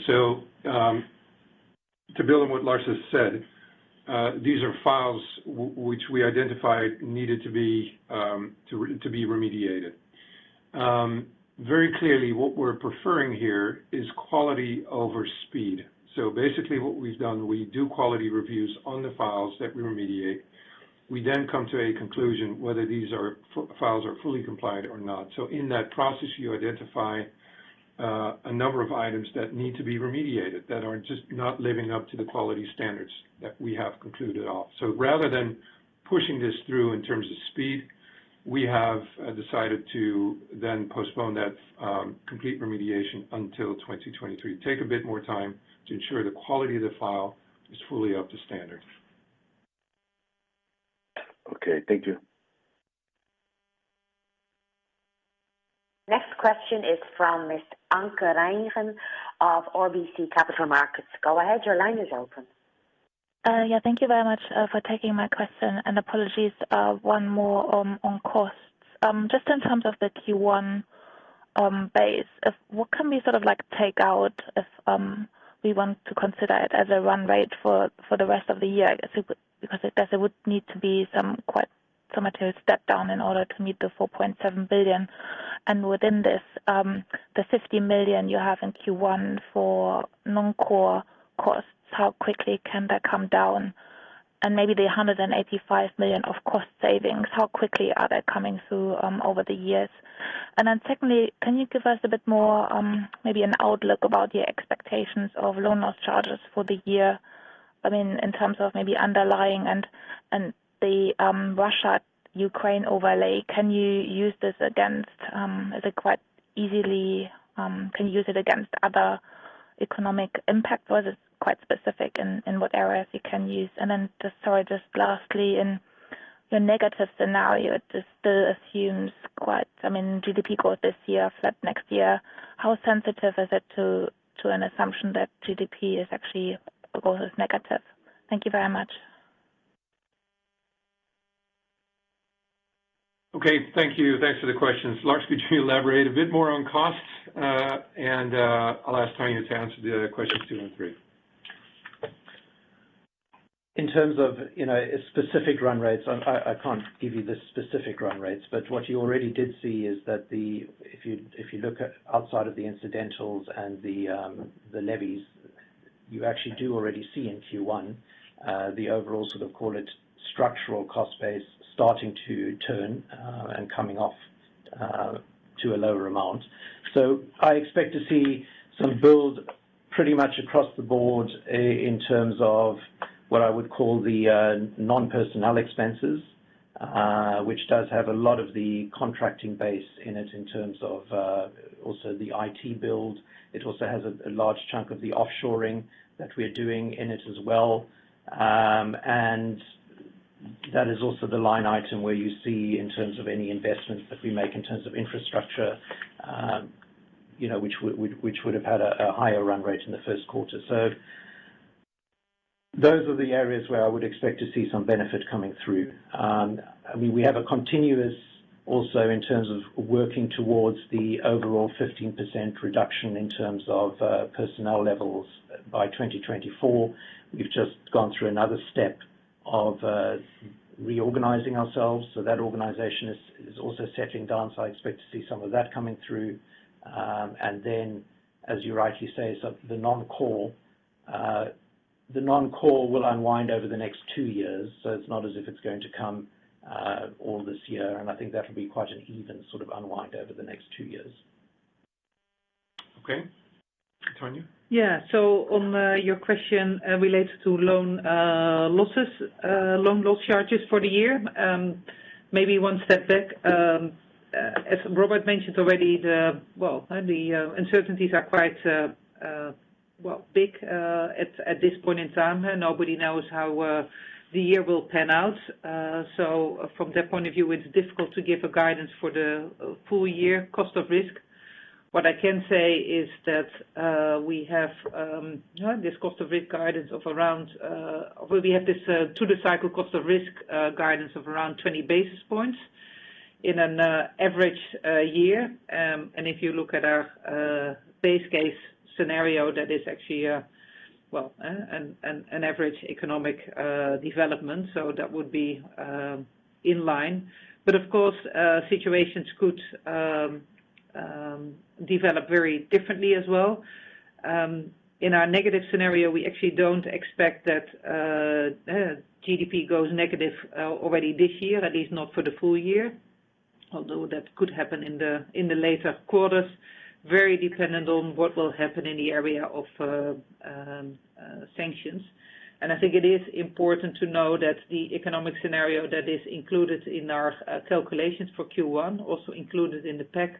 To build on what Lars has said, these are files which we identified needed to be remediated. Very clearly what we're preferring here is quality over speed. Basically what we've done, we do quality reviews on the files that we remediate. We then come to a conclusion whether these files are fully compliant or not. In that process, you identify a number of items that need to be remediated, that are just not living up to the quality standards that we have concluded on. Rather than pushing this through in terms of speed, we have decided to then postpone that complete remediation until 2023. Take a bit more time to ensure the quality of the file is fully up to standard. Okay, thank you. Next question is from Miss Anke Reingen of RBC Capital Markets. Go ahead, your line is open. Yeah, thank you very much for taking my question. Apologies, one more on costs. Just in terms of the Q1 base, what can we sort of like take out if we want to consider it as a run rate for the rest of the year? I guess it would need to be some material step down in order to meet the 4.7 billion. Within this, the 50 million you have in Q1 for non-core costs, how quickly can that come down? Maybe the 185 million of cost savings, how quickly are they coming through over the years? Then secondly, can you give us a bit more, maybe an outlook about your expectations of loan loss charges for the year? I mean, in terms of maybe underlying and the Russia-Ukraine overlay, can you use it quite easily against other economic impact, or is it quite specific in what areas you can use? Then just sorry, just lastly, in your negative scenario, it just still assumes quite, I mean, GDP growth this year, flat next year. How sensitive is it to an assumption that GDP is actually, or goes negative? Thank you very much. Okay. Thank you. Thanks for the questions. Lars, could you elaborate a bit more on costs? I'll ask Tanja to answer the questions 2 and 3. In terms of specific run rates, I can't give you the specific run rates, but what you already did see is that. If you look at outside of the incidentals and the levies, you actually do already see in Q1 the overall sort of, call it structural cost base, starting to turn and coming off to a lower amount. I expect to see some build pretty much across the board in terms of what I would call the non-personnel expenses. Which does have a lot of the contracting base in it in terms of also the IT build. It also has a large chunk of the offshoring that we're doing in it as well. That is also the line item where you see in terms of any investments that we make in terms of infrastructure, you know, which would have had a higher run rate in the first quarter. Those are the areas where I would expect to see some benefit coming through. I mean, we have continuously also in terms of working towards the overall 15% reduction in terms of personnel levels by 2024. We've just gone through another step of reorganizing ourselves. That organization is also settling down, so I expect to see some of that coming through. Then, as you rightly say, the non-core will unwind over the next two years, so it's not as if it's going to come all this year. I think that'll be quite an even sort of unwind over the next two years. Okay. Tanja. Yeah. On your question related to loan losses, loan loss charges for the year, maybe one step back. As Robert mentioned already, well, the uncertainties are quite well big at this point in time. Nobody knows how the year will pan out. From that point of view, it's difficult to give a guidance for the full year cost of risk. What I can say is that we have this cost of risk guidance of around, well, we have this through the cycle cost of risk guidance of around 20 basis points in an average year. If you look at our base case scenario, that is actually a well an average economic development. That would be in line. Of course, situations could develop very differently as well. In our negative scenario, we actually don't expect that GDP goes negative already this year, at least not for the full year, although that could happen in the later quarters, very dependent on what will happen in the area of sanctions. I think it is important to know that the economic scenario that is included in our calculations for Q1, also included in the pack,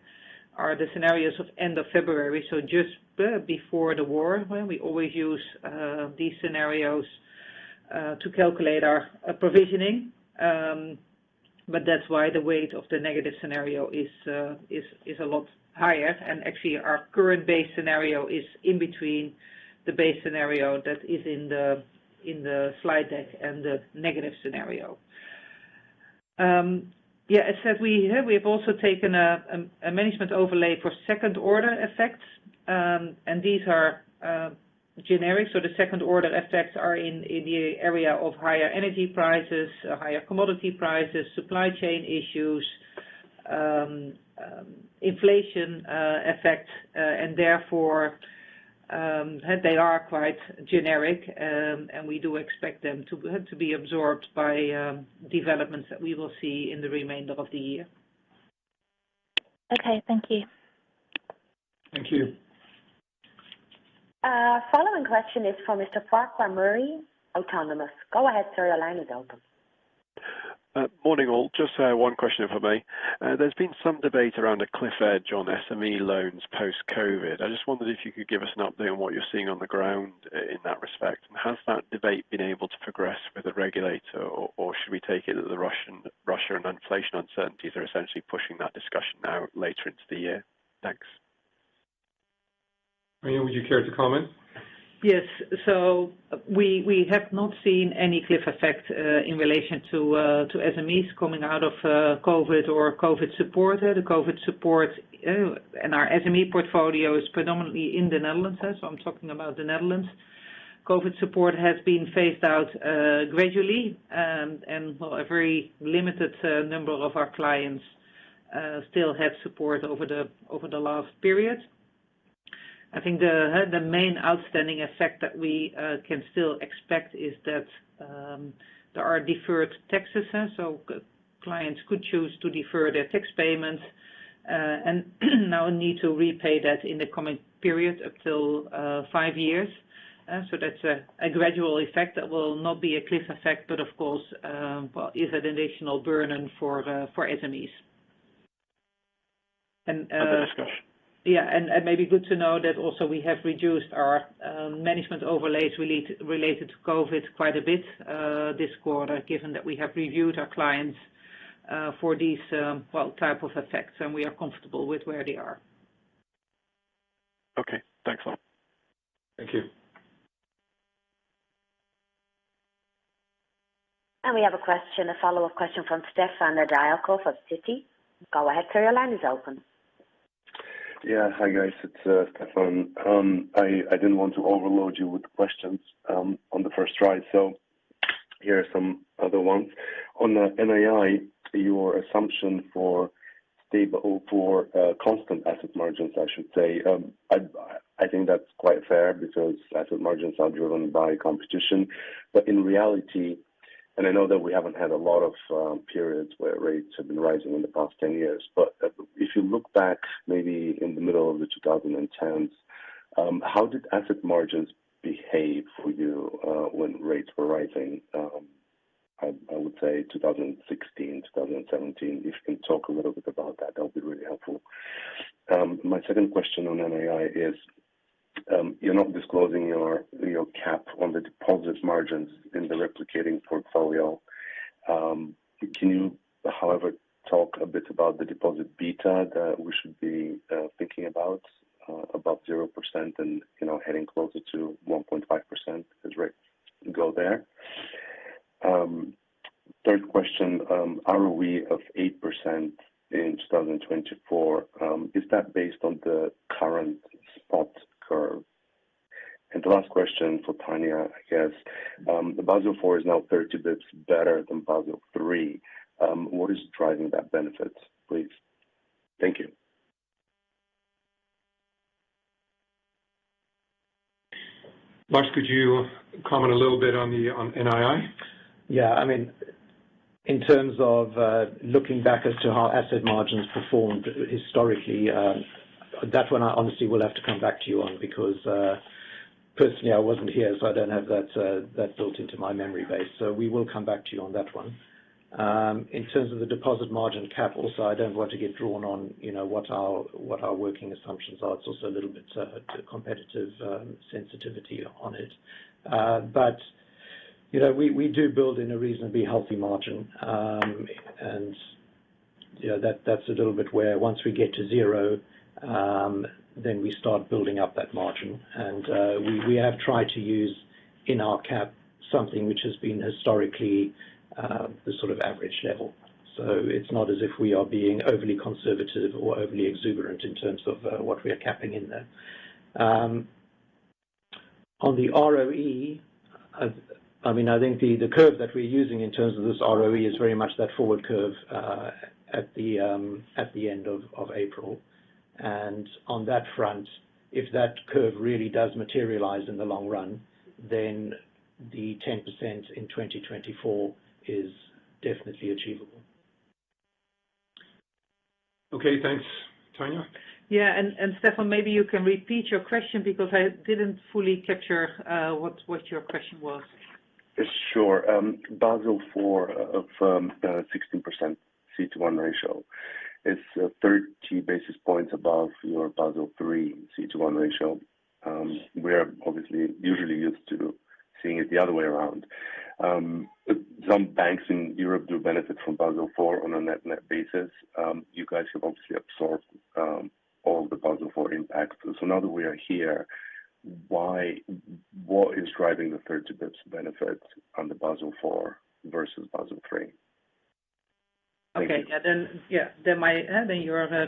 are the scenarios of end of February. Just before the war. We always use these scenarios to calculate our provisioning. But that's why the weight of the negative scenario is a lot higher. Actually, our current base scenario is in between the base scenario that is in the slide deck and the negative scenario. As said, we have also taken a management overlay for second-order effects, and these are generic. The second-order effects are in the area of higher energy prices, higher commodity prices, supply chain issues, inflation effect, and therefore, they are quite generic. We do expect them to be absorbed by developments that we will see in the remainder of the year. Okay. Thank you. Thank you. Following question is from Mr. Farquhar Murray, Autonomous. Go ahead, sir. Your line is open. Morning, all. Just one question for me. There's been some debate around a cliff edge on SME loans post-COVID. I just wondered if you could give us an update on what you're seeing on the ground in that respect. Has that debate been able to progress with the regulator or should we take it that the Russia and inflation uncertainties are essentially pushing that discussion now later into the year? Thanks. Tanja Cuppen, would you care to comment? Yes. We have not seen any cliff effect in relation to SMEs coming out of COVID or COVID support. The COVID support and our SME portfolio is predominantly in the Netherlands. I'm talking about the Netherlands. COVID support has been phased out gradually, and a very limited number of our clients still have support over the last period. I think the main outstanding effect that we can still expect is that there are deferred taxes. Clients could choose to defer their tax payments, and now need to repay that in the coming period up till five years. That's a gradual effect. That will not be a cliff effect, but of course, is an additional burden for SMEs. Under discussion. Yeah. Maybe good to know that also we have reduced our management overlays related to COVID quite a bit this quarter, given that we have reviewed our clients for these well type of effects, and we are comfortable with where they are. Okay. Thanks a lot. Thank you. We have a question, a follow-up question from Stefan Nedialkov of Citi. Go ahead, sir. Your line is open. Yeah. Hi, guys. It's Stefan. I didn't want to overload you with questions on the first try, so here are some other ones. On the NII, your assumption for constant asset margins, I should say, I think that's quite fair because asset margins are driven by competition. In reality, I know that we haven't had a lot of periods where rates have been rising in the past 10 years. If you look back maybe in the middle of the 2010s How did asset margins behave for you, when rates were rising? I would say 2016, 2017. If you can talk a little bit about that would be really helpful. My second question on NII is, you're not disclosing your cap on the deposit margins in the replicating portfolio. Can you, however, talk a bit about the deposit beta that we should be thinking about above 0% and, you know, heading closer to 1.5% as rates go there? Third question, ROE of 8% in 2024, is that based on the current spot curve? The last question for Tanja, I guess. The Basel IV is now 30 bps better than Basel III. What is driving that benefit, please? Thank you. Lars Kramer, could you comment a little bit on NII? Yeah. I mean, in terms of looking back as to how asset margins performed historically, that one I honestly will have to come back to you on because personally, I wasn't here, so I don't have that built into my memory base. We will come back to you on that one. In terms of the deposit margin cap also, I don't want to get drawn on, you know, what our working assumptions are. It's also a little bit competitive sensitivity on it. But you know, we do build in a reasonably healthy margin. You know, that's a little bit where once we get to zero, then we start building up that margin. We have tried to use in our cap something which has been historically the sort of average level. It's not as if we are being overly conservative or overly exuberant in terms of what we are capping in there. On the ROE, I mean, I think the curve that we're using in terms of this ROE is very much that forward curve at the end of April. On that front, if that curve really does materialize in the long run, then the 10% in 2024 is definitely achievable. Okay, thanks. Tanja? Yeah. Stefan, maybe you can repeat your question because I didn't fully capture what your question was. Sure. Basel IV of 16% CET1 ratio is 30 basis points above your Basel III CET1 ratio. We're obviously usually used to seeing it the other way around. Some banks in Europe do benefit from Basel IV on a net-net basis. You guys have obviously absorbed all the Basel IV impacts. Now that we are here, why? What is driving the 30 basis points benefit on the Basel IV versus Basel III? Your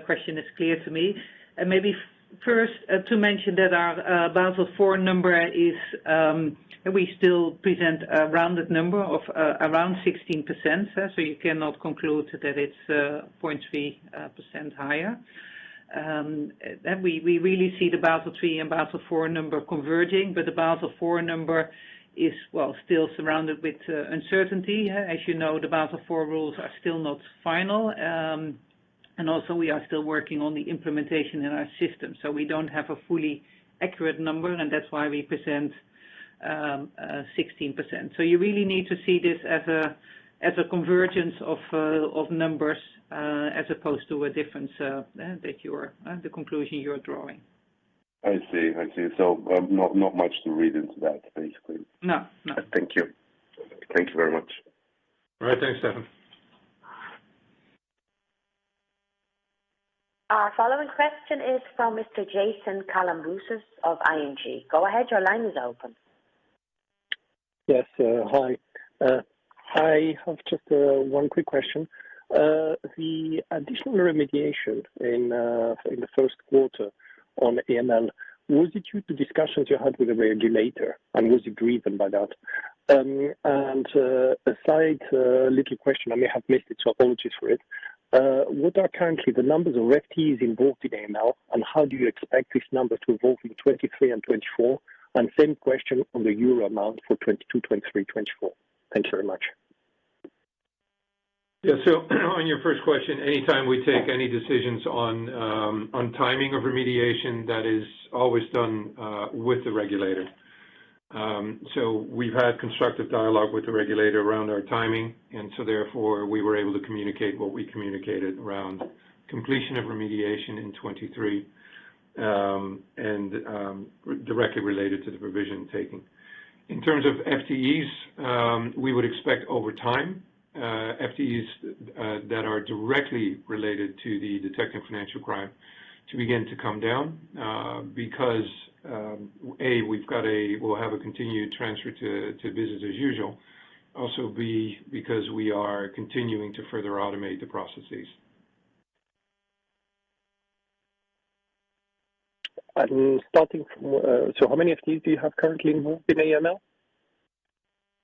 question is clear to me. Maybe first to mention that our Basel IV number is, we still present a rounded number of around 16%. You cannot conclude that it's 0.3% higher. We really see the Basel III and Basel IV number converging, but the Basel IV number is, well, still surrounded with uncertainty. As you know, the Basel IV rules are still not final. We are still working on the implementation in our system. We don't have a fully accurate number, and that's why we present 16%. You really need to see this as a convergence of numbers, as opposed to a difference, the conclusion you're drawing. I see. Not much to read into that, basically. No, no. Thank you. Thank you very much. All right. Thanks, Stefan. Our following question is from Mr. Jason Kalamboussis of ING. Go ahead. Your line is open. Yes. Hi. I have just one quick question. The additional remediation in the first quarter on AML, was it due to discussions you had with the regulator, and was it driven by that? And a side little question, I may have missed it, so apologies for it. What are currently the numbers of FTEs involved in AML, and how do you expect this number to evolve in 2023 and 2024? Same question on the euro amount for 2022, 2023, 2024. Thank you very much. Yeah. On your first question, anytime we take any decisions on timing of remediation, that is always done with the regulator. We've had constructive dialogue with the regulator around our timing, and therefore, we were able to communicate what we communicated around completion of remediation in 2023, and directly related to the provision taking. In terms of FTEs, we would expect over time FTEs that are directly related to the detection of financial crime to begin to come down because A, we'll have a continued transfer to business as usual. Also, B, because we are continuing to further automate the processes. How many FTEs do you have currently involved in AML?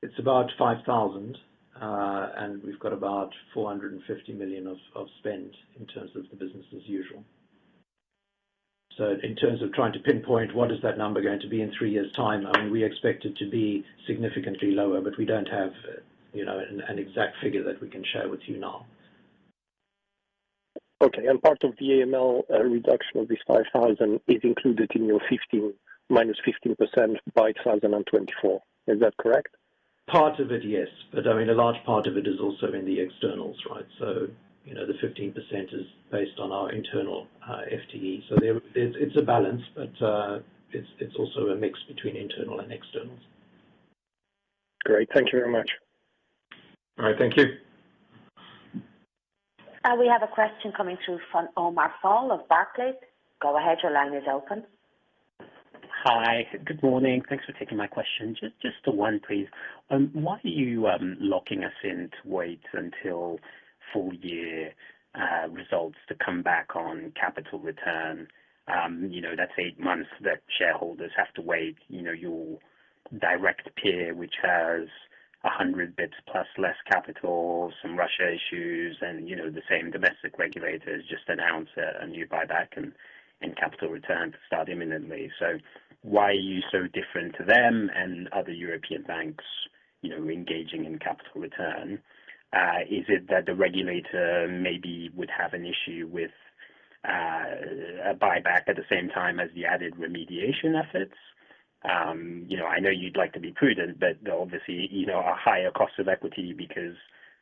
It's about 5,000. We've got about 450 million of spend in terms of the business as usual. In terms of trying to pinpoint what is that number going to be in three years' time, I mean, we expect it to be significantly lower. We don't have, you know, an exact figure that we can share with you now. Okay. Part of the AML reduction of this 5,000 is included in your -15% by 2024. Is that correct? Part of it, yes. I mean, a large part of it is also in the externals, right? You know, the 15% is based on our internal FTE. It's a balance, but it's also a mix between internal and externals. Great. Thank you very much. All right. Thank you. We have a question coming through from Omar Fall of Barclays. Go ahead. Your line is open. Hi. Good morning. Thanks for taking my question. Just the one, please. Why are you locking us in to wait until full year results to come back on capital return? You know, that's eight months that shareholders have to wait. You know, your direct peer, which has 100 bps plus less capital, some Russia issues and, you know, the same domestic regulators just announced a new buyback and capital return to start imminently. Why are you so different to them and other European banks, you know, engaging in capital return? Is it that the regulator maybe would have an issue with a buyback at the same time as the added remediation efforts? You know, I know you'd like to be prudent, but obviously, you know, a higher cost of equity because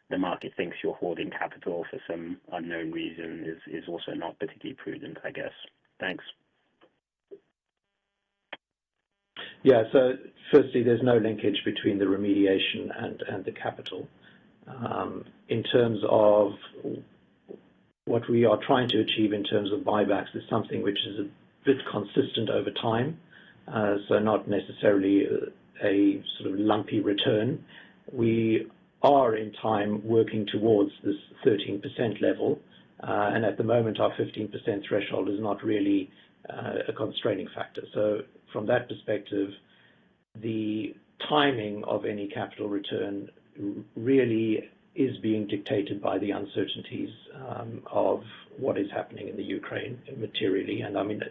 the market thinks you're holding capital for some unknown reason is also not particularly prudent, I guess. Thanks. Yeah. Firstly, there's no linkage between the remediation and the capital. In terms of what we are trying to achieve in terms of buybacks is something which is a bit consistent over time, so not necessarily a sort of lumpy return. We are over time working towards this 13% level. At the moment, our 15% threshold is not really a constraining factor. From that perspective, the timing of any capital return really is being dictated by the uncertainties of what is happening in Ukraine materially. I mean,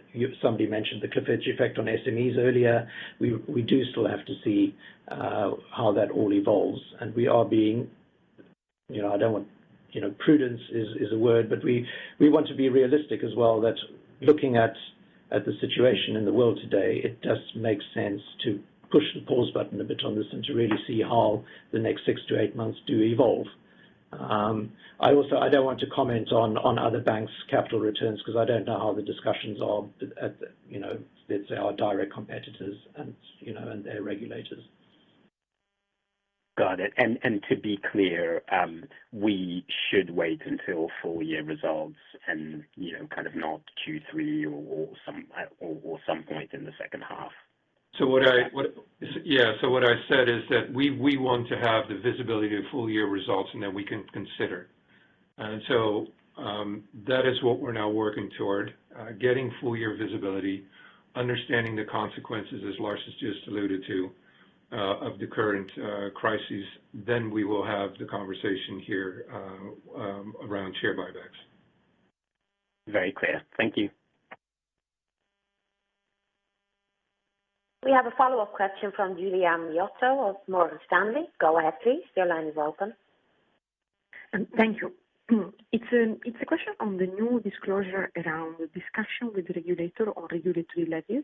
somebody mentioned the spillover effect on SMEs earlier. We do still have to see how that all evolves. You know, I don't want. You know, prudence is a word, but we want to be realistic as well that looking at the situation in the world today, it does make sense to push the pause button a bit on this and to really see how the next 6-8 months do evolve. I also don't want to comment on other banks' capital returns because I don't know how the discussions are with you know, let's say our direct competitors and, you know, and their regulators. Got it. To be clear, we should wait until full year results and, you know, kind of not Q3 or some point in the second half. What I said is that we want to have the visibility of full year results and that we can consider. That is what we're now working toward, getting full year visibility, understanding the consequences, as Lars has just alluded to, of the current crises, then we will have the conversation here around share buybacks. Very clear. Thank you. We have a follow-up question from Giulia Miotto of Morgan Stanley. Go ahead, please. Your line is open. Thank you. It's a question on the new disclosure around the discussion with the regulator or regulatory letters.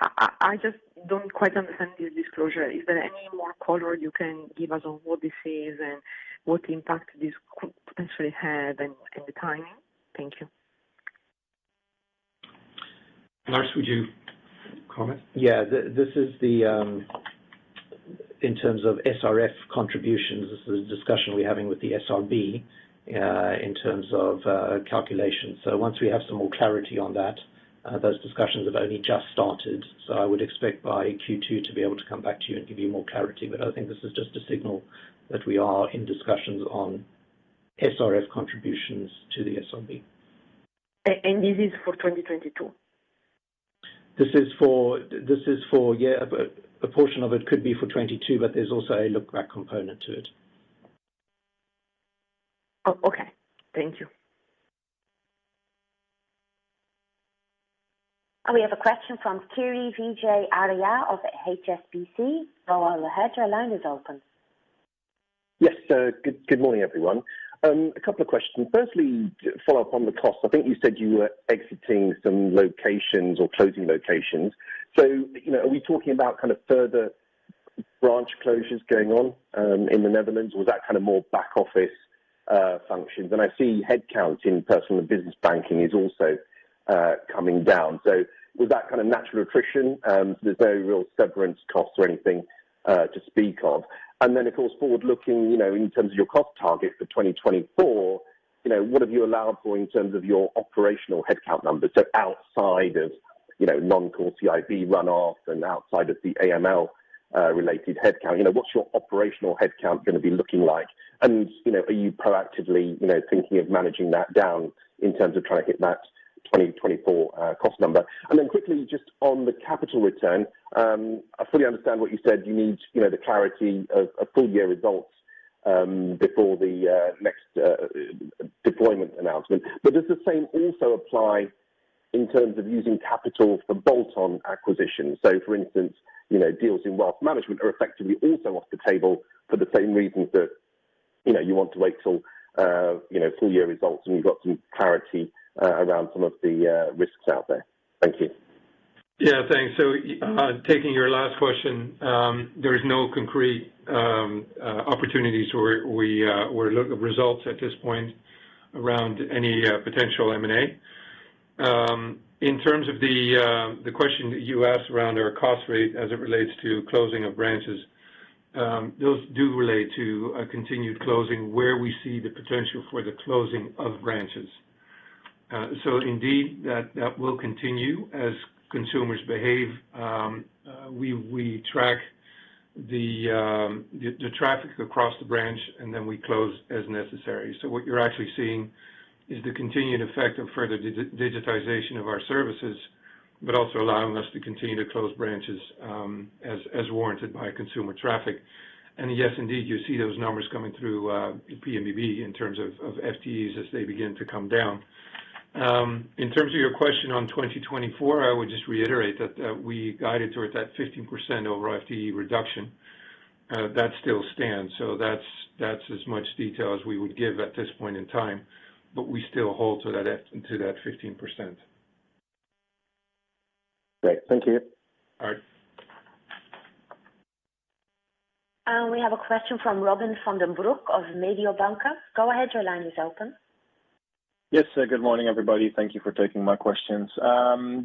I just don't quite understand your disclosure. Is there any more color you can give us on what this is and what impact this could potentially have and the timing? Thank you. Lars, would you comment? Yeah. In terms of SRF contributions, this is a discussion we're having with the SRB in terms of calculation. Once we have some more clarity on that, those discussions have only just started. I would expect by Q2 to be able to come back to you and give you more clarity. I think this is just a signal that we are in discussions on SRF contributions to the SRB. A-and this is for twenty twenty-two? This is for. Yeah. A portion of it could be for 2022, but there's also a lookback component to it. Okay. Thank you. We have a question from Kirishanthan Vijayarajah of HSBC. Go ahead. Your line is open. Yes. Good morning, everyone. A couple of questions. Firstly, to follow up on the cost. I think you said you were exiting some locations or closing locations. You know, are we talking about kind of further branch closures going on in the Netherlands? Or was that kind of more back office functions? I see headcounts in personal and business banking is also coming down. Was that kind of natural attrition? There's no real severance costs or anything to speak of. Then, of course, forward looking, you know, in terms of your cost targets for 2024, you know, what have you allowed for in terms of your operational headcount numbers? Outside of, you know, non-core CIB runoff and outside of the AML related headcount, you know, what's your operational headcount gonna be looking like? You know, are you proactively, you know, thinking of managing that down in terms of trying to hit that 2024 cost number? Quickly, just on the capital return, I fully understand what you said. You need, you know, the clarity of full year results before the next deployment announcement. Does the same also apply- In terms of using capital for bolt-on acquisitions. For instance, you know, deals in wealth management are effectively also off the table for the same reasons that, you know, you want to wait till, you know, full year results and you've got some clarity, around some of the, risks out there. Thank you. Yeah, thanks. Taking your last question, there is no concrete opportunities where we're looking at results at this point around any potential M&A. In terms of the question that you asked around our cost income ratio as it relates to closing of branches, those do relate to a continued closing where we see the potential for the closing of branches. Indeed, that will continue as consumers behave. We track the traffic across the branch, and then we close as necessary. What you're actually seeing is the continued effect of further digitization of our services, but also allowing us to continue to close branches, as warranted by consumer traffic. Yes, indeed, you see those numbers coming through, P&B in terms of FTEs as they begin to come down. In terms of your question on 2024, I would just reiterate that we guided towards that 15% FTE reduction. That still stands. That's as much detail as we would give at this point in time. We still hold to that 15%. Great. Thank you. All right. We have a question from Robin van den Broek of Mediobanca. Go ahead, your line is open. Yes. Good morning, everybody. Thank you for taking my questions.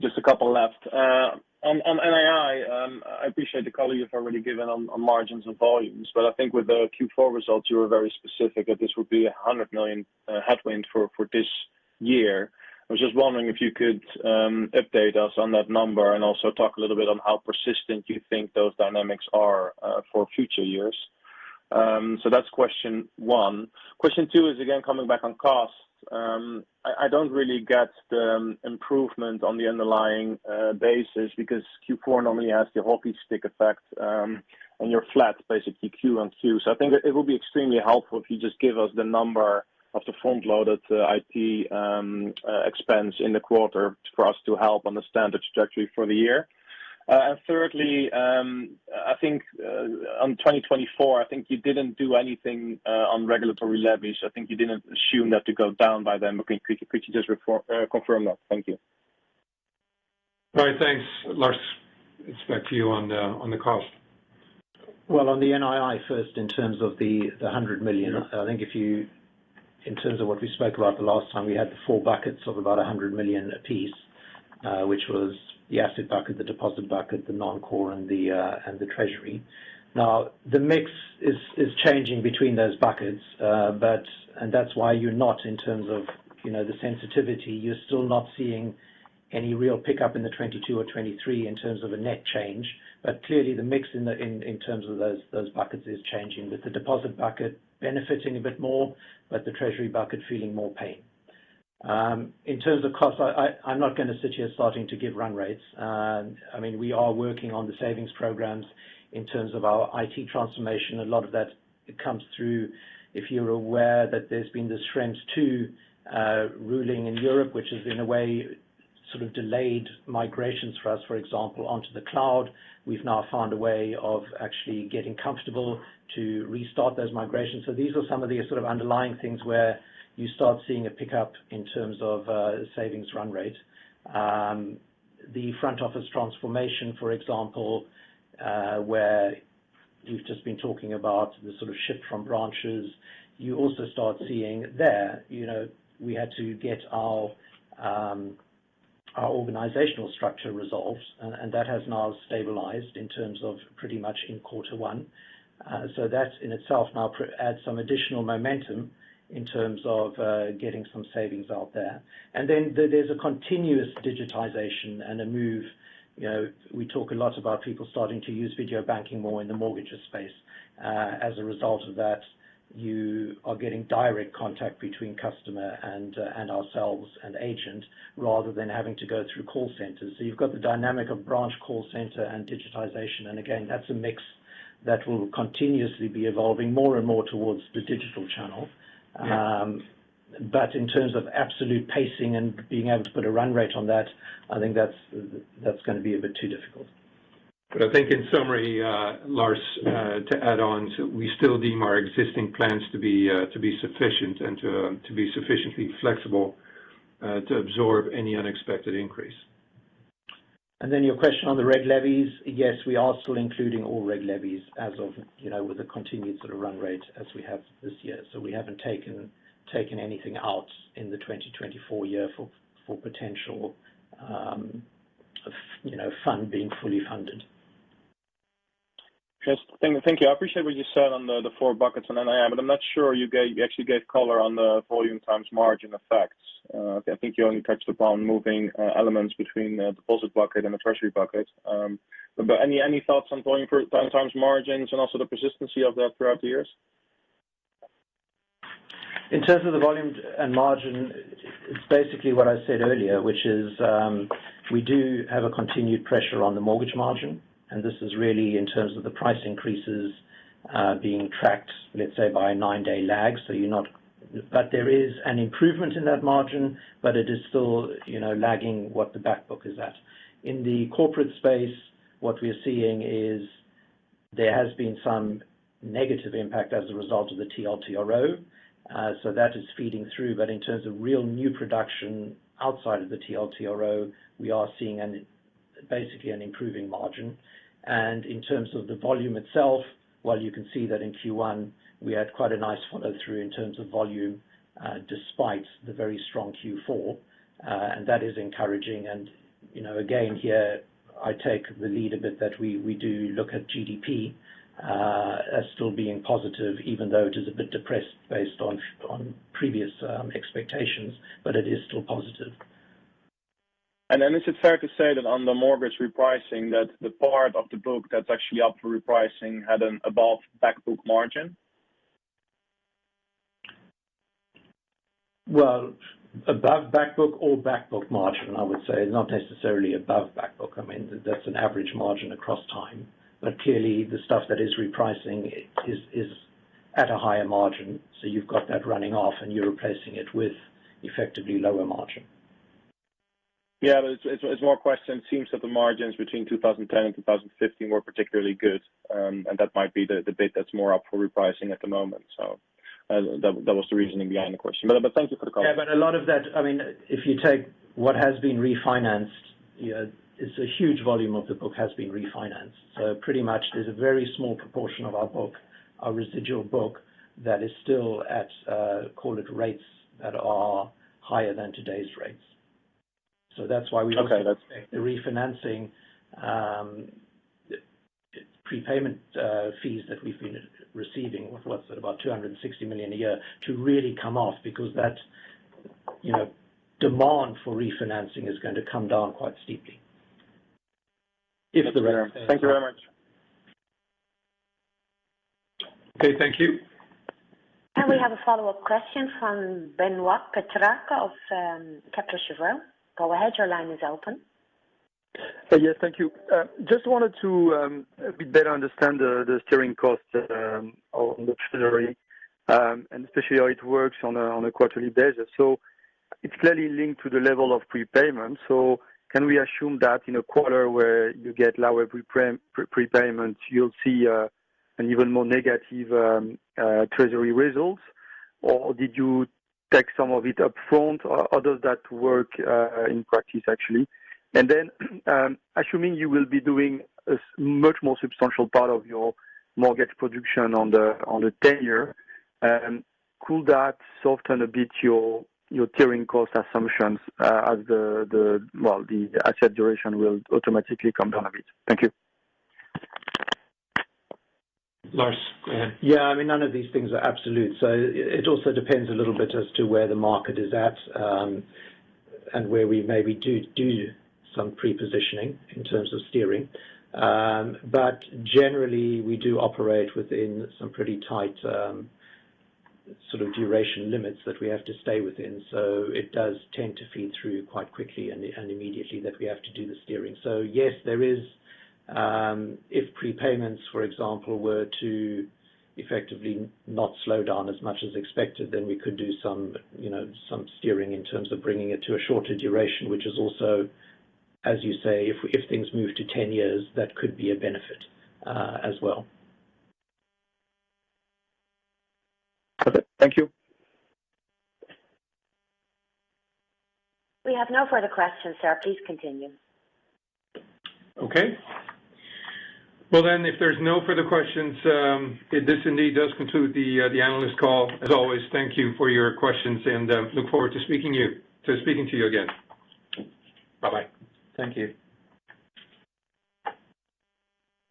Just a couple left. On NII, I appreciate the color you've already given on margins and volumes, but I think with the Q4 results, you were very specific that this would be 100 million headwind for this year. I was just wondering if you could update us on that number and also talk a little bit on how persistent you think those dynamics are for future years. That's question one. Question two is again, coming back on costs. I don't really get the improvement on the underlying basis because Q4 normally has the hockey stick effect, and you're flat, basically, Q-on-Q. I think it will be extremely helpful if you just give us the number of the front-loaded IT expense in the quarter for us to help understand the trajectory for the year. Thirdly, I think on 2024, I think you didn't do anything on regulatory levies. I think you didn't assume that to go down by then. Could you just confirm that? Thank you. All right. Thanks. Lars, it's back to you on the cost. Well, on the NII first, in terms of the 100 million. In terms of what we spoke about the last time, we had the four buckets of about 100 million each, which was the asset bucket, the deposit bucket, the non-core, and the treasury. Now, the mix is changing between those buckets. That's why you're not in terms of, you know, the sensitivity. You're still not seeing any real pickup in the 2022 or 2023 in terms of a net change. Clearly the mix in terms of those buckets is changing, with the deposit bucket benefiting a bit more, but the treasury bucket feeling more pain. In terms of costs, I'm not gonna sit here starting to give run rates. I mean, we are working on the savings programs in terms of our IT transformation. A lot of that comes through. If you're aware that there's been the Schrems II ruling in Europe, which has in a way sort of delayed migrations for us, for example, onto the cloud. We've now found a way of actually getting comfortable to restart those migrations. These are some of the sort of underlying things where you start seeing a pickup in terms of, savings run rate. The front office transformation, for example, where you've just been talking about the sort of shift from branches. You also start seeing there, you know, we had to get our organizational structure resolved, and that has now stabilized in terms of pretty much in quarter one. That in itself now adds some additional momentum in terms of getting some savings out there. Then there is a continuous digitization and a move. You know, we talk a lot about people starting to use video banking more in the mortgages space. As a result of that, you are getting direct contact between customer and ourselves and agent rather than having to go through call centers. You've got the dynamic of branch, call center and digitization. Again, that's a mix that will continuously be evolving more and more towards the digital channel. But in terms of absolute pacing and being able to put a run rate on that, I think that's gonna be a bit too difficult. I think in summary, Lars, to add on, so we still deem our existing plans to be sufficiently flexible to absorb any unexpected increase. Your question on the reg levies. Yes, we are still including all reg levies as of with a continued sort of run rate as we have this year. We haven't taken anything out in the 2024 year for potential fund being fully funded. Yes. Thank you. I appreciate what you said on the four buckets on NII, but I'm not sure you actually gave color on the volume times margin effects. I think you only touched upon moving elements between the deposit bucket and the treasury bucket. But any thoughts on volume times margins and also the persistency of that throughout the years? In terms of the volume and margin, it's basically what I said earlier, which is, we do have a continued pressure on the mortgage margin, and this is really in terms of the price increases, being tracked, let's say, by a nine-day lag. But there is an improvement in that margin, but it is still, you know, lagging what the back book is at. In the corporate space, what we're seeing is there has been some negative impact as a result of the TLTRO. So that is feeding through. But in terms of real new production outside of the TLTRO, we are seeing basically an improving margin. In terms of the volume itself, while you can see that in Q1, we had quite a nice follow-through in terms of volume, despite the very strong Q4, and that is encouraging. You know, again, here I take the lead a bit that we do look at GDP as still being positive, even though it is a bit depressed based on previous expectations, but it is still positive. Is it fair to say that on the mortgage repricing, that the part of the book that's actually up for repricing had an above back book margin? Well, above back book or back book margin, I would say. Not necessarily above back book. I mean, that's an average margin across time. Clearly, the stuff that is repricing is at a higher margin, so you've got that running off, and you're replacing it with effectively lower margin. Yeah. It's more a question. It seems that the margins between 2010 and 2015 were particularly good, and that might be the bit that's more up for repricing at the moment. That was the reasoning behind the question. Thank you for the comment. Yeah. A lot of that. I mean, if you take what has been refinanced, you know, it's a huge volume of the book has been refinanced. Pretty much there's a very small proportion of our book, our residual book, that is still at, call it, rates that are higher than today's rates. That's why we Okay. the refinancing prepayment fees that we've been receiving, what's it, about 260 million a year to really come off because that, you know, demand for refinancing is going to come down quite steeply. Thank you very much. Okay. Thank you. We have a follow-up question from Benoit Petrarque of Kepler Cheuvreux. Go ahead. Your line is open. Yes. Thank you. Just wanted to a bit better understand the steering costs on the treasury and especially how it works on a quarterly basis. It's clearly linked to the level of prepayment. Can we assume that in a quarter where you get lower prepayment, you'll see an even more negative treasury results? Or did you take some of it upfront? Or how does that work in practice, actually? Assuming you will be doing a much more substantial part of your mortgage production on the ten-year, could that soften a bit your steering cost assumptions as well, the asset duration will automatically come down a bit? Thank you. Lars, go ahead. Yeah. I mean, none of these things are absolute. It also depends a little bit as to where the market is at, and where we maybe do some pre-positioning in terms of steering. But generally, we do operate within some pretty tight sort of duration limits that we have to stay within. It does tend to feed through quite quickly and immediately that we have to do the steering. Yes, there is, if prepayments, for example, were to effectively not slow down as much as expected, then we could do some, you know, some steering in terms of bringing it to a shorter duration, which is also, as you say, if things move to 10 years, that could be a benefit, as well. Perfect. Thank you. We have no further questions, sir. Please continue. Okay. Well, if there's no further questions, this indeed does conclude the analyst call. As always, thank you for your questions and look forward to speaking to you again. Bye-bye. Thank you.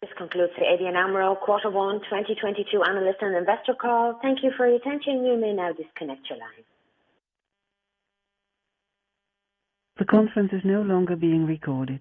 This concludes the ABN AMRO Q1 2022 analyst and investor call. Thank you for your attention. You may now disconnect your line. The conference is no longer being recorded.